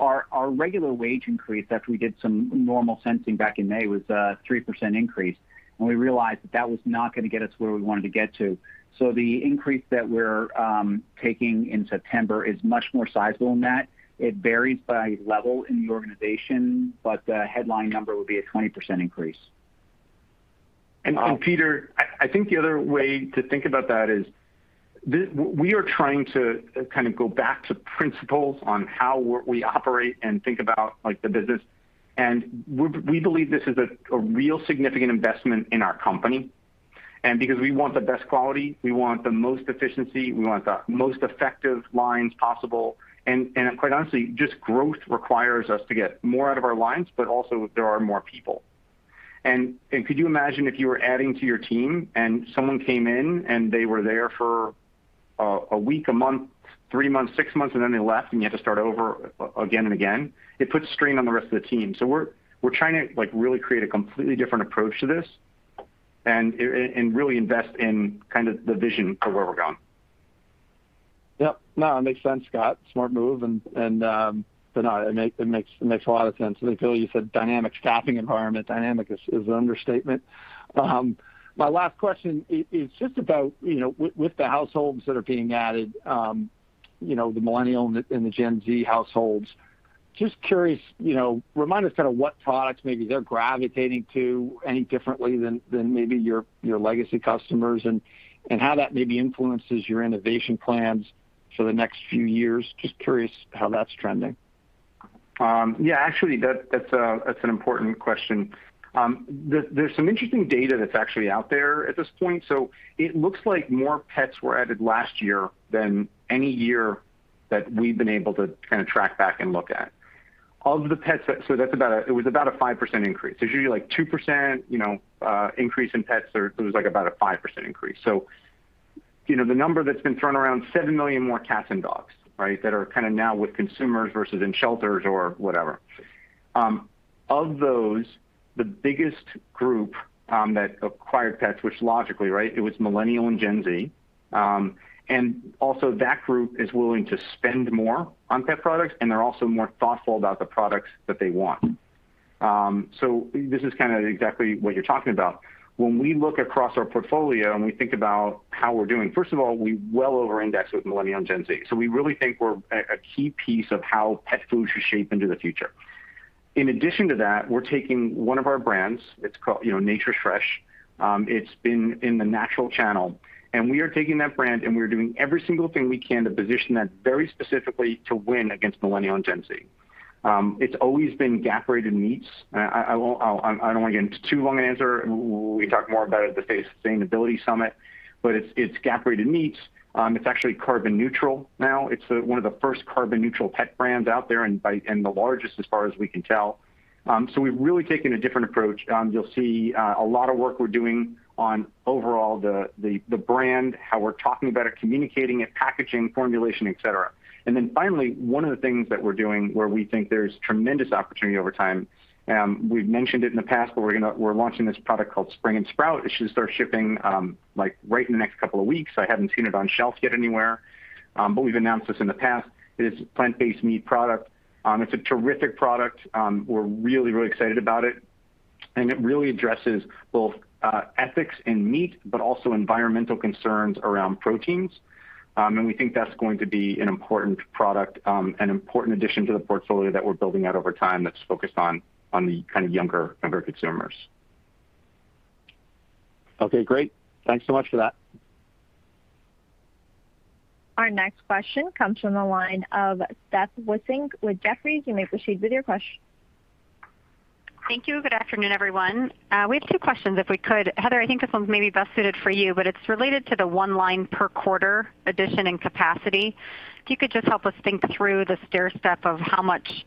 Our regular wage increase, after we did some normal sensing back in May, was a 3% increase, and we realized that that was not going to get us where we wanted to get to. The increase that we're taking in September is much more sizable than that. It varies by level in the organization, but the headline number would be a 20% increase. Peter, I think the other way to think about that is we are trying to kind of go back to principles on how we operate and think about the business. We believe this is a real significant investment in our company. Because we want the best quality, we want the most efficiency, we want the most effective lines possible, and quite honestly, just growth requires us to get more out of our lines, but also there are more people. Could you imagine if you were adding to your team and someone came in and they were there for a week, a month, three months, six months, and then they left and you had to start over again and again? It puts strain on the rest of the team. We're trying to really create a completely different approach to this and really invest in kind of the vision of where we're going. Yep. No, it makes sense, Scott. Smart move, and it makes a lot of sense. I feel you said dynamic staffing environment. Dynamic is an understatement. My last question is just about with the households that are being added, the millennial and the Gen Z households. Just curious, remind us kind of what products maybe they're gravitating to any differently than maybe your legacy customers and how that maybe influences your innovation plans for the next few years. Just curious how that's trending. Yeah, actually, that's an important question. There's some interesting data that's actually out there at this point. It looks like more pets were added last year than any year that we've been able to kind of track back and look at. It was about a 5% increase. There's usually, like, a 2% increase in pets. There was, like, about a 5% increase. The number that's been thrown around, seven million more cats and dogs, right, that are kind of now with consumers versus in shelters or whatever. Of those, the biggest group that acquired pets, which logically, right, it was millennial and Gen Z. That group is willing to spend more on pet products, and they're also more thoughtful about the products that they want. This is kind of exactly what you're talking about. When we look across our portfolio and we think about how we're doing, first of all, we well over index with millennial and Gen Z. We really think we're a key piece of how pet food should shape into the future. In addition to that, we're taking one of our brands, it's called Nature's Fresh. It's been in the natural channel. We are taking that brand, and we are doing every single thing we can to position that very specifically to win against millennial and Gen Z. It's always been GAP-rated meats. I don't want to get into too long an answer. We talk more about it at the sustainability summit. It's GAP-rated meats. It's actually carbon neutral now. It's one of the first carbon neutral pet brands out there and the largest as far as we can tell. We've really taken a different approach. You'll see a lot of work we're doing on overall, the brand, how we're talking about it, communicating it, packaging, formulation, et cetera. Finally, one of the things that we're doing where we think there's tremendous opportunity over time, we've mentioned it in the past, but we're launching this product called Spring & Sprout. It should start shipping right in the next couple of weeks. I haven't seen it on shelves yet anywhere. We've announced this in the past. It is a plant-based meat product. It's a terrific product. We're really excited about it, and it really addresses both ethics in meat, but also environmental concerns around proteins. We think that's going to be an important product, an important addition to the portfolio that we're building out over time that's focused on the kind of younger consumers. Okay, great. Thanks so much for that. Our next question comes from the line of Steph Wissink with Jefferies. You may proceed with your question. Thank you. Good afternoon, everyone. We have two questions, if we could. Heather, I think this one's maybe best suited for you, but it's related to the one line per quarter addition and capacity. If you could just help us think through the stair step of how much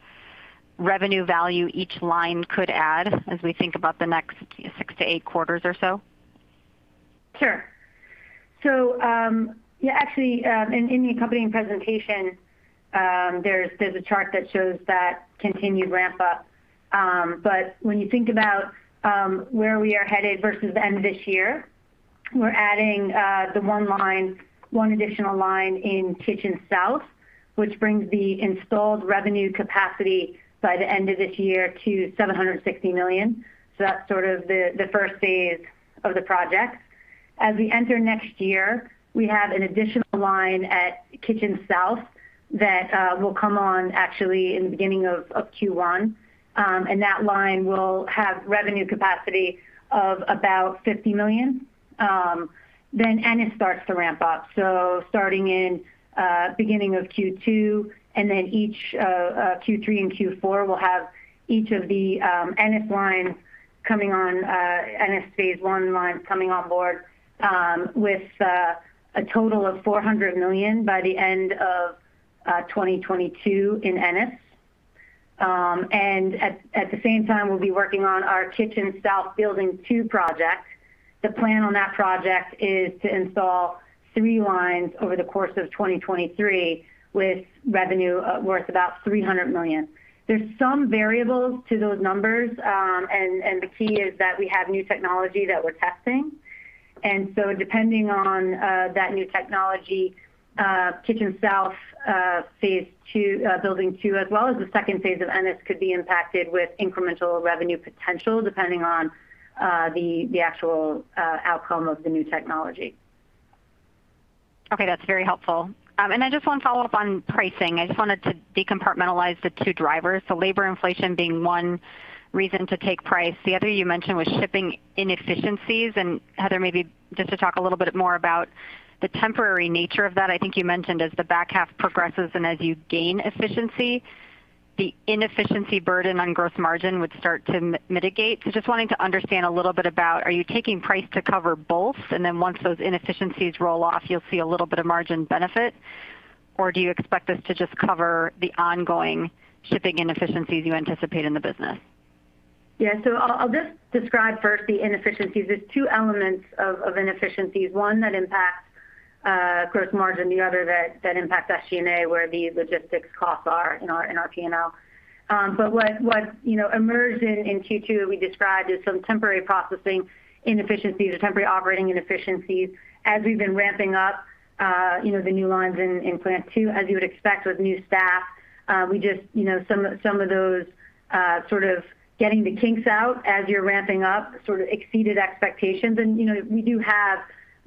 revenue value each line could add as we think about the next six to eight quarters or so. Sure. Yeah, actually, in the accompanying presentation, there's a chart that shows that continued ramp up. When you think about where we are headed versus the end of this year, we're adding the one additional line in Kitchen South, which brings the installed revenue capacity by the end of this year to $760 million. That's sort of the first phase of the project. As we enter next year, we have an additional line at Kitchen South that will come on actually in the beginning of Q1. That line will have revenue capacity of about $50 million. Ennis starts to ramp up, starting in beginning of Q2, and then each Q3 and Q4 will have each of the Ennis lines coming on, Ennis phase I lines coming on board, with a total of $400 million by the end of 2022 in Ennis. At the same time, we'll be working on our Kitchen South building two project. The plan on that project is to install three lines over the course of 2023 with revenue worth about $300 million. There's some variables to those numbers. The key is that we have new technology that we're testing. Depending on that new technology, Kitchen South building 2, as well as the second phase of Ennis could be impacted with incremental revenue potential depending on the actual outcome of the new technology. Okay, that's very helpful. I just want to follow up on pricing. I just wanted to decompartmentalize the two drivers. Labor inflation being one reason to take price. The other you mentioned was shipping inefficiencies. Heather, maybe just to talk a little bit more about the temporary nature of that. I think you mentioned as the back half progresses and as you gain efficiency, the inefficiency burden on gross margin would start to mitigate. Just wanting to understand a little bit about are you taking price to cover both and then once those inefficiencies roll off, you'll see a little bit of margin benefit? Do you expect this to just cover the ongoing shipping inefficiencies you anticipate in the business? I will just describe first the inefficiencies. There are two elements of inefficiencies, one that impacts gross margin, the other that impacts SG&A, where the logistics costs are in our P&L. What emerged in Q2 that we described is some temporary processing inefficiencies or temporary operating inefficiencies as we have been ramping up the new lines in plant 2, as you would expect with new staff. Some of those sort of getting the kinks out as you are ramping up sort of exceeded expectations. We do have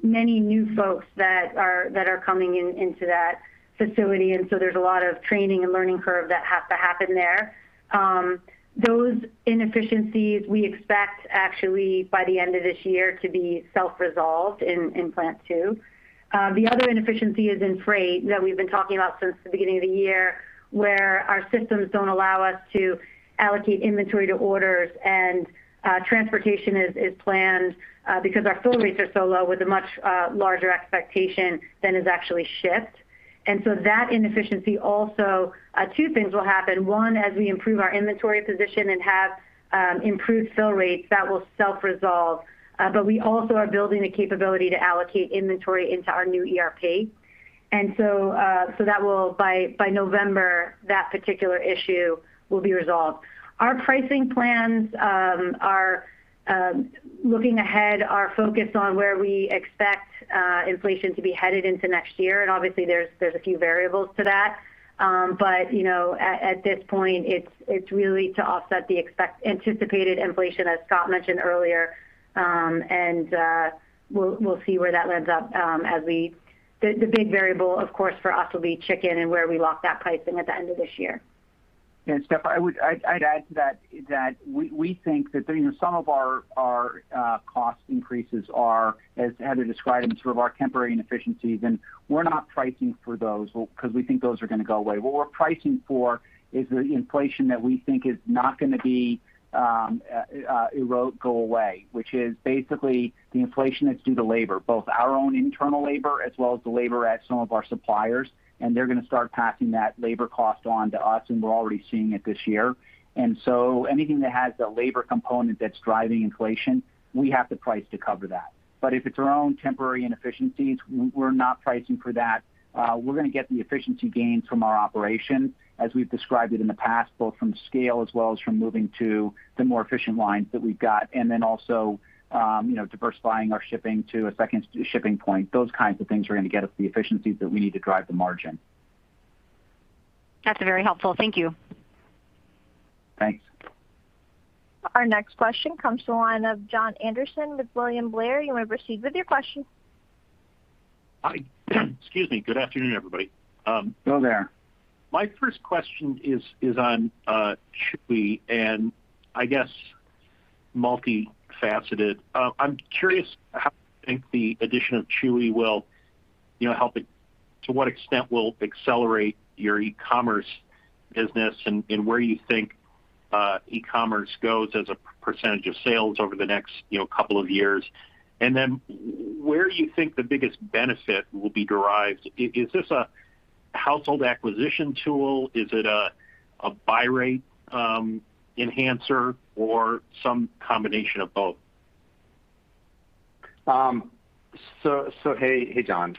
many new folks that are coming into that facility, there is a lot of training and learning curve that have to happen there. Those inefficiencies we expect actually by the end of this year to be self-resolved in plant 2. The other inefficiency is in freight that we've been talking about since the beginning of the year, where our systems don't allow us to allocate inventory to orders and transportation is planned because our fill rates are so low with a much larger expectation than is actually shipped. That inefficiency also, two things will happen. One, as we improve our inventory position and have improved fill rates, that will self-resolve. We also are building the capability to allocate inventory into our new ERP. By November, that particular issue will be resolved. Our pricing plans looking ahead are focused on where we expect inflation to be headed into next year. Obviously there's a few variables to that. At this point, it's really to offset the anticipated inflation, as Scott mentioned earlier. We'll see where that lands up. The big variable, of course, for us will be chicken and where we lock that pricing at the end of this year. Steph, I'd add to that we think that some of our cost increases are, as Heather described them, some of our temporary inefficiencies, and we're not pricing for those because we think those are going to go away. What we're pricing for is the inflation that we think is not going to go away, which is basically the inflation that's due to labor, both our own internal labor as well as the labor at some of our suppliers, and they're going to start passing that labor cost on to us, and we're already seeing it this year. Anything that has a labor component that's driving inflation, we have to price to cover that. If it's our own temporary inefficiencies, we're not pricing for that. We're going to get the efficiency gains from our operation as we've described it in the past, both from scale as well as from moving to the more efficient lines that we've got. Also diversifying our shipping to a second shipping point. Those kinds of things are going to get us the efficiencies that we need to drive the margin. That's very helpful. Thank you. Thanks. Our next question comes to the line of Jon Andersen with William Blair. You may proceed with your question. Excuse me. Good afternoon, everybody. Hello there. My first question is on Chewy and I guess multifaceted. I'm curious how you think the addition of Chewy will help, to what extent will accelerate your e-commerce business and where you think e-commerce goes as a percentage of sales over the next couple of years. Where do you think the biggest benefit will be derived? Is this a household acquisition tool? Is it a buy rate enhancer or some combination of both? Hey, Jon.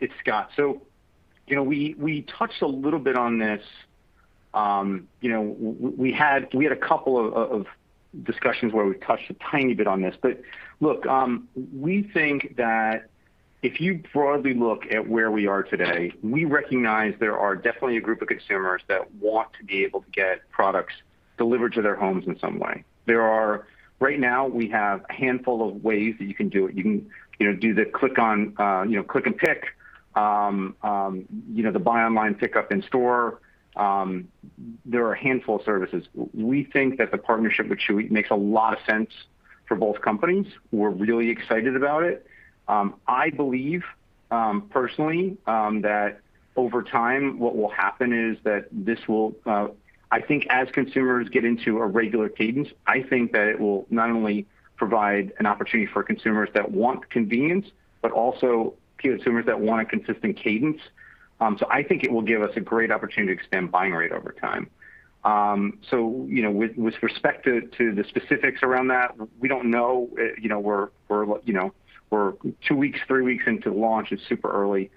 It's Scott. We touched a little bit on this. We had a couple of discussions where we touched a tiny bit on this. Look, we think that if you broadly look at where we are today, we recognize there are definitely a group of consumers that want to be able to get products delivered to their homes in some way. Right now, we have a handful of ways that you can do it. You can do the click and pick, the buy online, pick up in store. There are a handful of services. We think that the partnership with Chewy makes a lot of sense for both companies. We're really excited about it. I believe, personally, that over time what will happen is that as consumers get into a regular cadence, I think that it will not only provide an opportunity for consumers that want convenience, but also consumers that want a consistent cadence. I think it will give us a great opportunity to extend buy rate over time. With respect to the specifics around that, we don't know. We're two weeks, three weeks into launch. It's super early.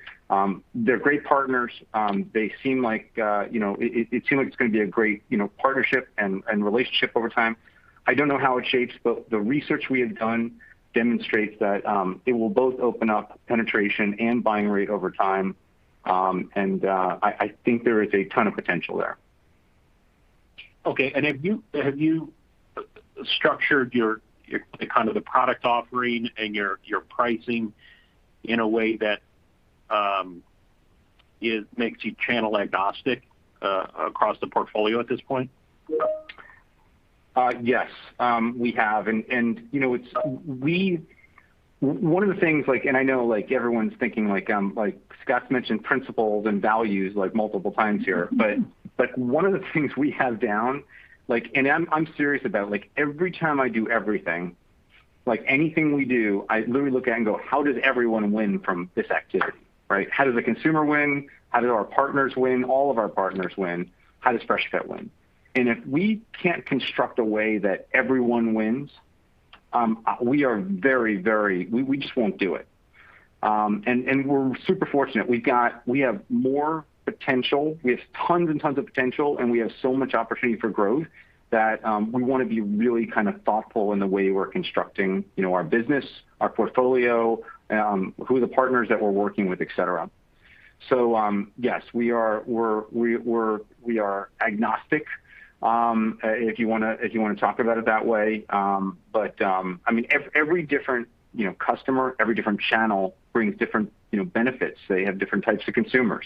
They're great partners. It seems like it's going to be a great partnership and relationship over time. I don't know how it shapes, the research we have done demonstrates that it will both open up penetration and buy rate over time. I think there is a ton of potential there. Have you structured your product offering and your pricing in a way that makes you channel agnostic across the portfolio at this point? Yes. We have, one of the things, and I know everyone's thinking Scott's mentioned principles and values multiple times here, but one of the things we have down, and I'm serious about every time I do everything, anything we do, I literally look at it and go, "How does everyone win from this activity?" How does the consumer win? How do our partners win? All of our partners win. How does Freshpet win? If we can't construct a way that everyone wins, we just won't do it. We're super fortunate. We have more potential. We have tons and tons of potential, and we have so much opportunity for growth that we want to be really thoughtful in the way we're constructing our business, our portfolio, who are the partners that we're working with, et cetera. Yes, we are agnostic, if you want to talk about it that way. Every different customer, every different channel brings different benefits. They have different types of consumers,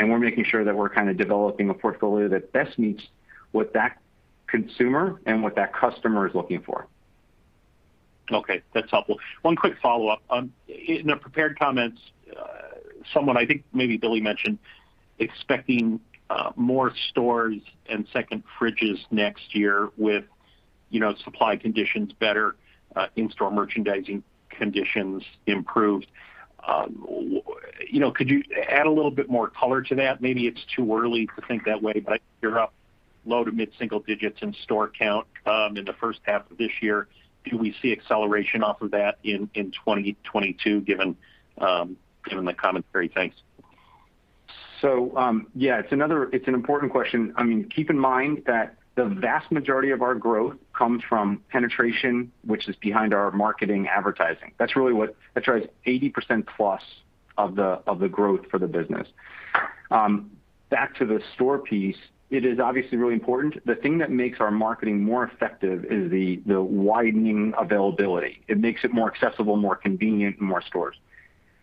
and we're making sure that we're developing a portfolio that best meets what that consumer and what that customer is looking for. Okay. That's helpful. One quick follow-up. In the prepared comments, someone, I think maybe Billy mentioned expecting more stores and second fridges next year with supply conditions better, in-store merchandising conditions improved. Could you add a little bit more color to that? Maybe it's too early to think that way, but you're up low to mid single digits in store count in the first half of this year. Do we see acceleration off of that in 2022 given the commentary? Thanks. Yeah, it's an important question. Keep in mind that the vast majority of our growth comes from penetration, which is behind our marketing advertising. That drives 80%+ of the growth for the business. Back to the store piece, it is obviously really important. The thing that makes our marketing more effective is the widening availability. It makes it more accessible, more convenient in more stores.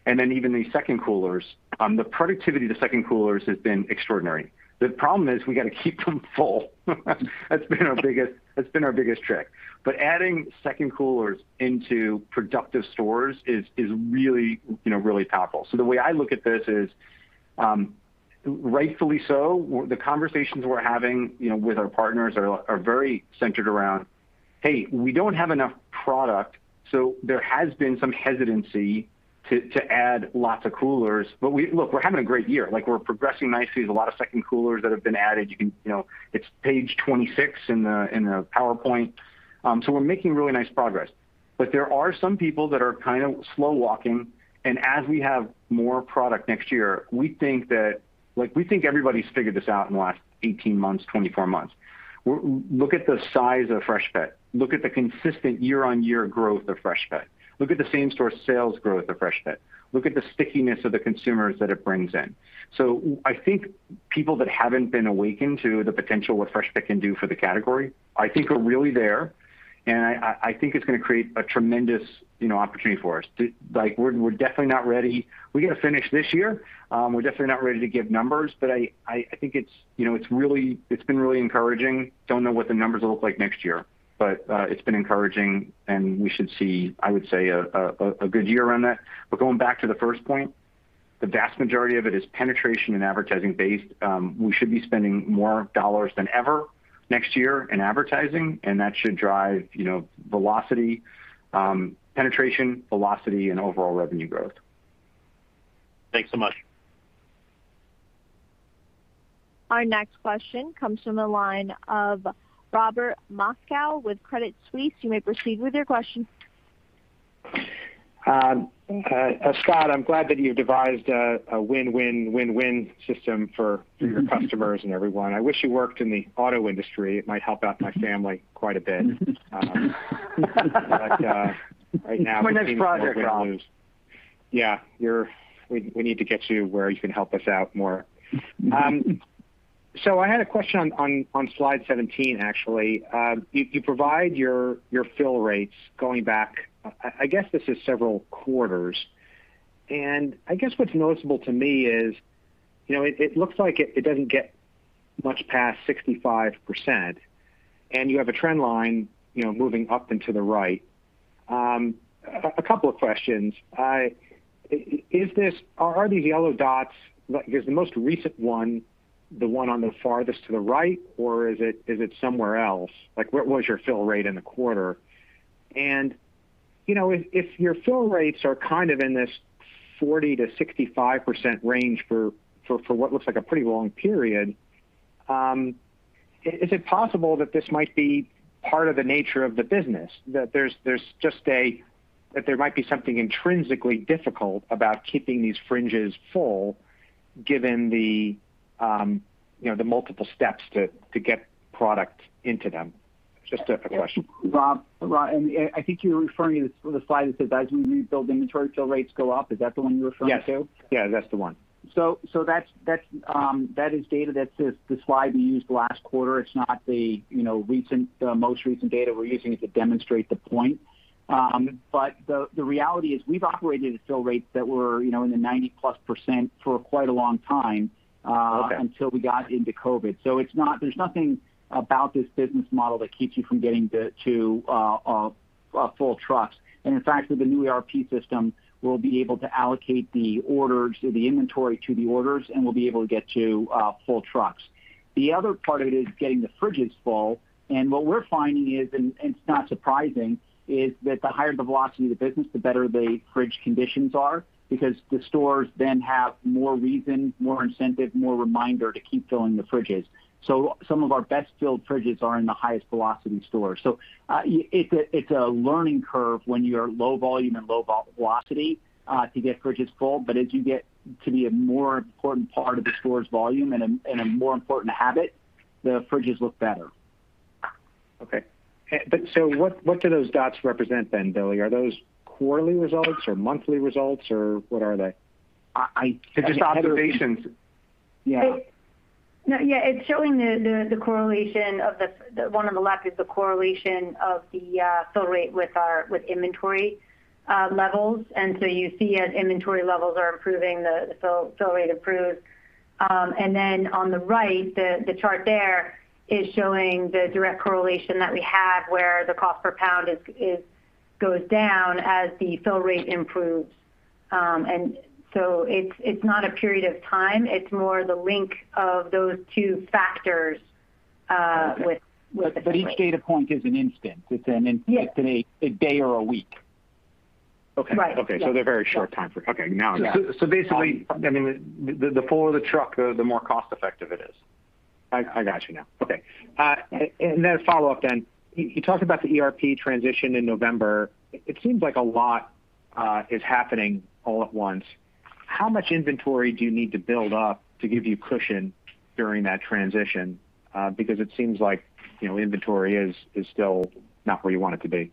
Even the second coolers. The productivity of the second coolers has been extraordinary. The problem is we've got to keep them full. That's been our biggest trick. Adding second coolers into productive stores is really powerful. The way I look at this is, rightfully so, the conversations we're having with our partners are very centered around, "Hey, we don't have enough product." There has been some hesitancy to add lots of coolers. Look, we're having a great year. We're progressing nicely. There's a lot of second coolers that have been added. It's page 26 in the PowerPoint. We're making really nice progress. There are some people that are kind of slow walking, and as we have more product next year, we think everybody's figured this out in the last 18 months, 24 months. Look at the size of Freshpet. Look at the consistent year-on-year growth of Freshpet. Look at the same store sales growth of Freshpet. Look at the stickiness of the consumers that it brings in. I think people that haven't been awakened to the potential of what Freshpet can do for the category, I think are really there, and I think it's going to create a tremendous opportunity for us. We're definitely not ready. We got to finish this year. We're definitely not ready to give numbers, but I think it's been really encouraging. Don't know what the numbers will look like next year, but it's been encouraging and we should see, I would say, a good year around that. Going back to the first point, the vast majority of it is penetration and advertising based. We should be spending more dollars than ever next year in advertising, and that should drive penetration, velocity, and overall revenue growth. Thanks so much. Our next question comes from the line of Robert Moskow with Credit Suisse. You may proceed with your question. Scott, I'm glad that you devised a win-win-win-win system for your customers and everyone. I wish you worked in the auto industry. It might help out my family quite a bit. Right now it seems we're going to lose. My next project, Rob. Yeah. We need to get you where you can help us out more. I had a question on slide 17, actually. You provide your fill rates going back, I guess this is several quarters, and I guess what's noticeable to me is it looks like it doesn't get much past 65%, and you have a trend line moving up and to the right. A couple of questions. Are these yellow dots, is the most recent one the one on the farthest to the right or is it somewhere else? Where was your fill rate in the quarter? If your fill rates are kind of in this 40%-65% range for what looks like a pretty long period, is it possible that this might be part of the nature of the business? That there might be something intrinsically difficult about keeping these Freshpet fridges full given the multiple steps to get product into them? Just a question. Rob, I think you're referring to the slide that says, "As we rebuild inventory, fill rates go up." Is that the one you're referring to? Yes. Yeah, that's the one. That is data that's the slide we used last quarter. It's not the most recent data. We're using it to demonstrate the point. The reality is we've operated at fill rates that were in the 90%+ for quite a long time. Okay until we got into COVID. There's nothing about this business model that keeps you from getting to full trucks. In fact, with the new ERP system, we'll be able to allocate the inventory to the orders and we'll be able to get to full trucks. The other part of it is getting the fridges full. What we're finding is, and it's not surprising, is that the higher the velocity of the business, the better the fridge conditions are because the stores then have more reason, more incentive, more reminder to keep filling the fridges. Some of our best filled fridges are in the highest velocity stores. It's a learning curve when you're low volume and low velocity to get fridges full. As you get to be a more important part of the store's volume and a more important habit, the fridges look better. Okay. What do those dots represent then, Billy? Are those quarterly results or monthly results or what are they? It's just observations. Yeah. Yeah. It's showing the correlation. The one on the left is the correlation of the fill rate with inventory levels. So you see as inventory levels are improving, the fill rate improves. Then on the right, the chart there is showing the direct correlation that we have where the cost per pound goes down as the fill rate improves. So it's not a period of time, it's more the link of those two factors with the fill rate. Each data point is an instance. Yes a day or a week. Okay. Right. Yeah. Okay. They're very short time frame. Okay, now I know. Basically, the fuller the truck, the more cost effective it is. I got you now. Okay. A follow-up then. You talked about the ERP transition in November. It seems like a lot is happening all at once. How much inventory do you need to build up to give you cushion during that transition? Because it seems like inventory is still not where you want it to be.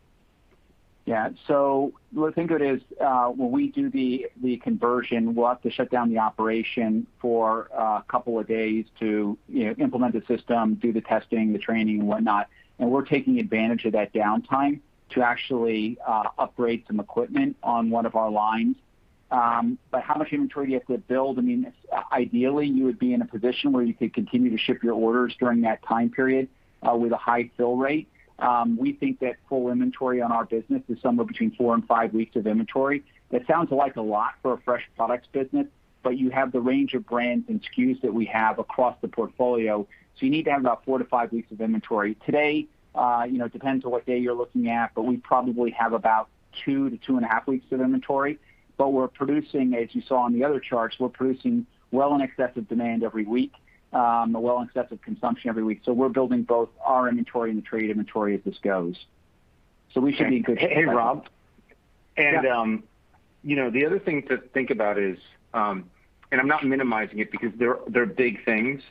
Yeah. The thing of it is when we do the conversion, we'll have to shut down the operation for a couple of days to implement the system, do the testing, the training, and whatnot. We're taking advantage of that downtime to actually upgrade some equipment on one of our lines. How much inventory do you have to build? Ideally, you would be in a position where you could continue to ship your orders during that time period with a high fill rate. We think that full inventory on our business is somewhere between four and five weeks of inventory. That sounds like a lot for a fresh products business. You have the range of brands and SKUs that we have across the portfolio, you need to have about four to five weeks of inventory. Today, depends on what day you're looking at, we probably have about two to two and a half weeks of inventory. We're producing, as you saw on the other charts, we're producing well in excess of demand every week, well in excess of consumption every week. We're building both our inventory and the trade inventory as this goes. We should be good. Hey, Rob. Yeah. The other thing to think about is, I'm not minimizing it because they're big things.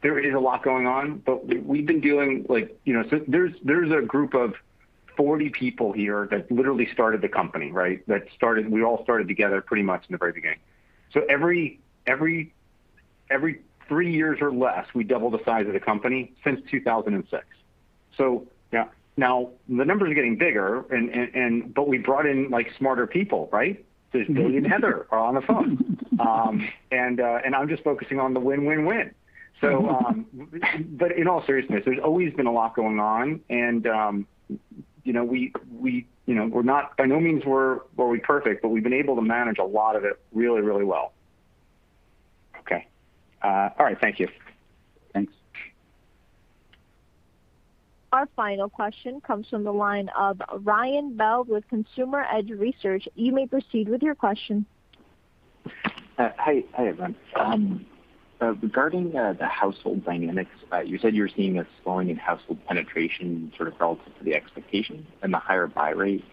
There is a lot going on, but there's a group of 40 people here that literally started the company, right? We all started together pretty much in the very beginning. Every three years or less, we double the size of the company since 2006. Now the numbers are getting bigger but we brought in smarter people, right? Billy Cyr and Heather Pomerantz are on the phone. I'm just focusing on the win. In all seriousness, there's always been a lot going on, and by no means were we perfect, but we've been able to manage a lot of it really well. Okay. All right. Thank you. Thanks. Our final question comes from the line of Ryan Bell with Consumer Edge Research. You may proceed with your question. Hi, everyone. Regarding the household dynamics, you said you were seeing a slowing in household penetration sort of relative to the expectation and the higher buy rate.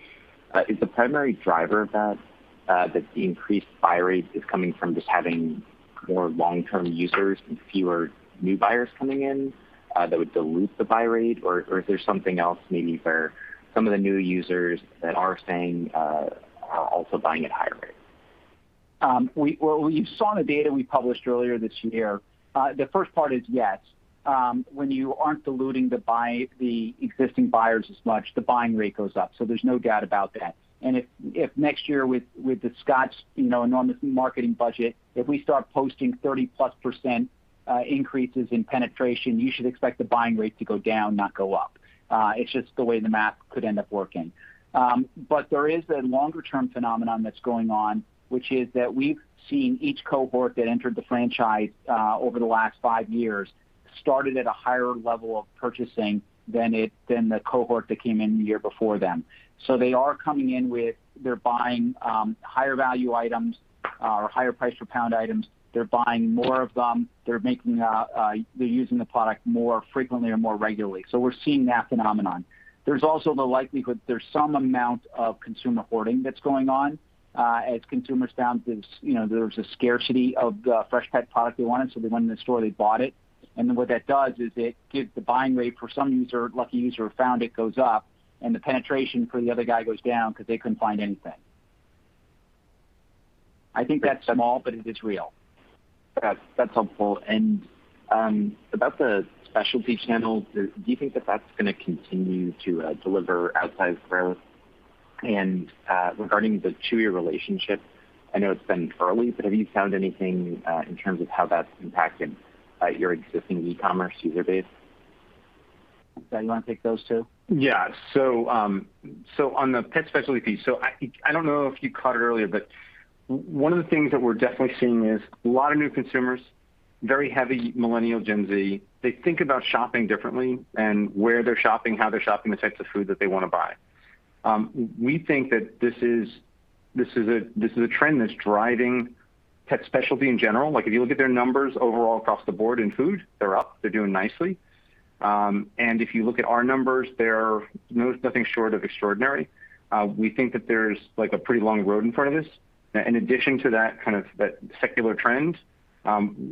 Is the primary driver of that the increased buy rate is coming from just having more long-term users and fewer new buyers coming in that would dilute the buy rate? Is there something else maybe where some of the new users that are staying are also buying at higher rates? You saw in the data we published earlier this year, the first part is yes. When you aren't diluting the existing buyers as much, the buying rate goes up. There's no doubt about that. If next year with the Scott enormous marketing budget, if we start posting 30%+ increases in penetration, you should expect the buying rate to go down, not go up. It's just the way the math could end up working. There is a longer-term phenomenon that's going on, which is that we've seen each cohort that entered the franchise over the last five years started at a higher level of purchasing than the cohort that came in the year before them. They are coming in, they're buying higher value items or higher price per pound items. They're buying more of them. They're using the product more frequently or more regularly. We're seeing that phenomenon. There's also the likelihood there's some amount of consumer hoarding that's going on as consumers found there was a scarcity of the Freshpet product they wanted, so they went in the store, they bought it. What that does is it gives the buying rate for some lucky user who found it goes up, and the penetration for the other guy goes down because they couldn't find anything. I think that's small, but it is real. Got it. That's helpful. About the specialty channels, do you think that that's going to continue to deliver outsized growth? Regarding the Chewy relationship, I know it's been early, but have you found anything in terms of how that's impacted your existing e-commerce user base? [Morris], you want to take those two? On the pet specialty piece, I don't know if you caught it earlier, but one of the things that we're definitely seeing is a lot of new consumers, very heavy millennial, Gen Z. They think about shopping differently and where they're shopping, how they're shopping, the types of food that they want to buy. We think that this is a trend that's driving pet specialty in general. If you look at their numbers overall across the board in food, they're up, they're doing nicely. If you look at our numbers, they're nothing short of extraordinary. We think that there's a pretty long road in front of this. In addition to that kind of that secular trend,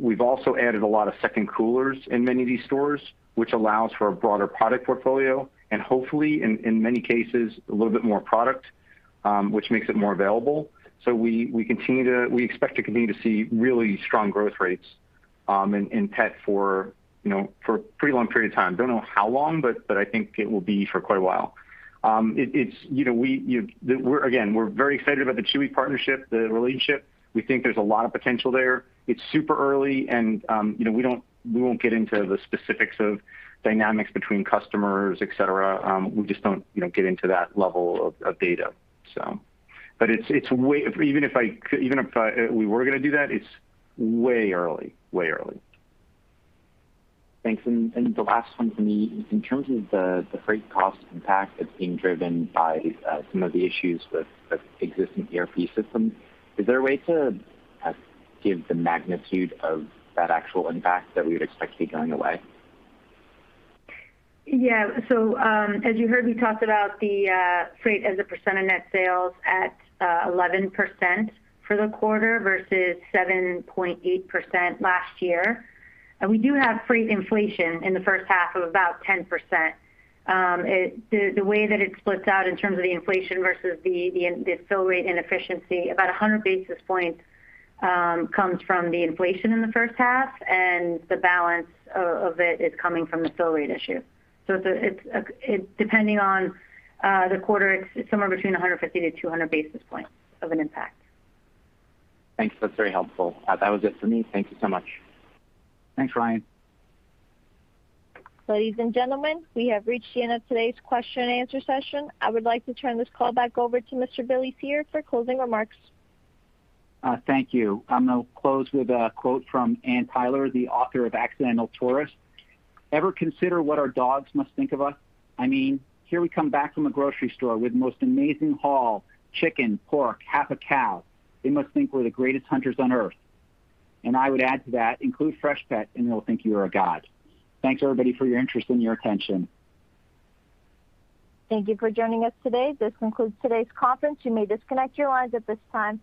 we've also added a lot of second coolers in many of these stores, which allows for a broader product portfolio, and hopefully, in many cases, a little bit more product, which makes it more available. We expect to continue to see really strong growth rates in pet for a pretty long period of time. Don't know how long, but I think it will be for quite a while. Again, we're very excited about the Chewy partnership, the relationship. We think there's a lot of potential there. It's super early and we won't get into the specifics of dynamics between customers, et cetera. We just don't get into that level of data. Even if we were going to do that, it's way early. Thanks. The last one from me. In terms of the freight cost impact that's being driven by some of the issues with existing ERP systems, is there a way to give the magnitude of that actual impact that we would expect to be going away? Yeah. As you heard me talk about the freight as a percent of net sales at 11% for the quarter versus 7.8% last year. We do have freight inflation in the first half of about 10%. The way that it splits out in terms of the inflation versus the fill rate inefficiency, about 100 basis points comes from the inflation in the 1st half, and the balance of it is coming from the fill rate issue. Depending on the quarter, it's somewhere between 150-200 basis points of an impact. Thanks. That's very helpful. That was it for me. Thank you so much. Thanks, Ryan. Ladies and gentlemen, we have reached the end of today's question-and-answer session. I would like to turn this call back over to Mr. Billy Cyr for closing remarks. Thank you. I'm going to close with a quote from Anne Tyler, the author of "The Accidental Tourist." "Ever consider what our dogs must think of us? I mean, here we come back from the grocery store with the most amazing haul. Chicken, pork, half a cow. They must think we're the greatest hunters on Earth." I would add to that, include Freshpet, and they'll think you are a god. Thanks, everybody, for your interest and your attention. Thank you for joining us today. This concludes today's conference. You may disconnect your lines at this time.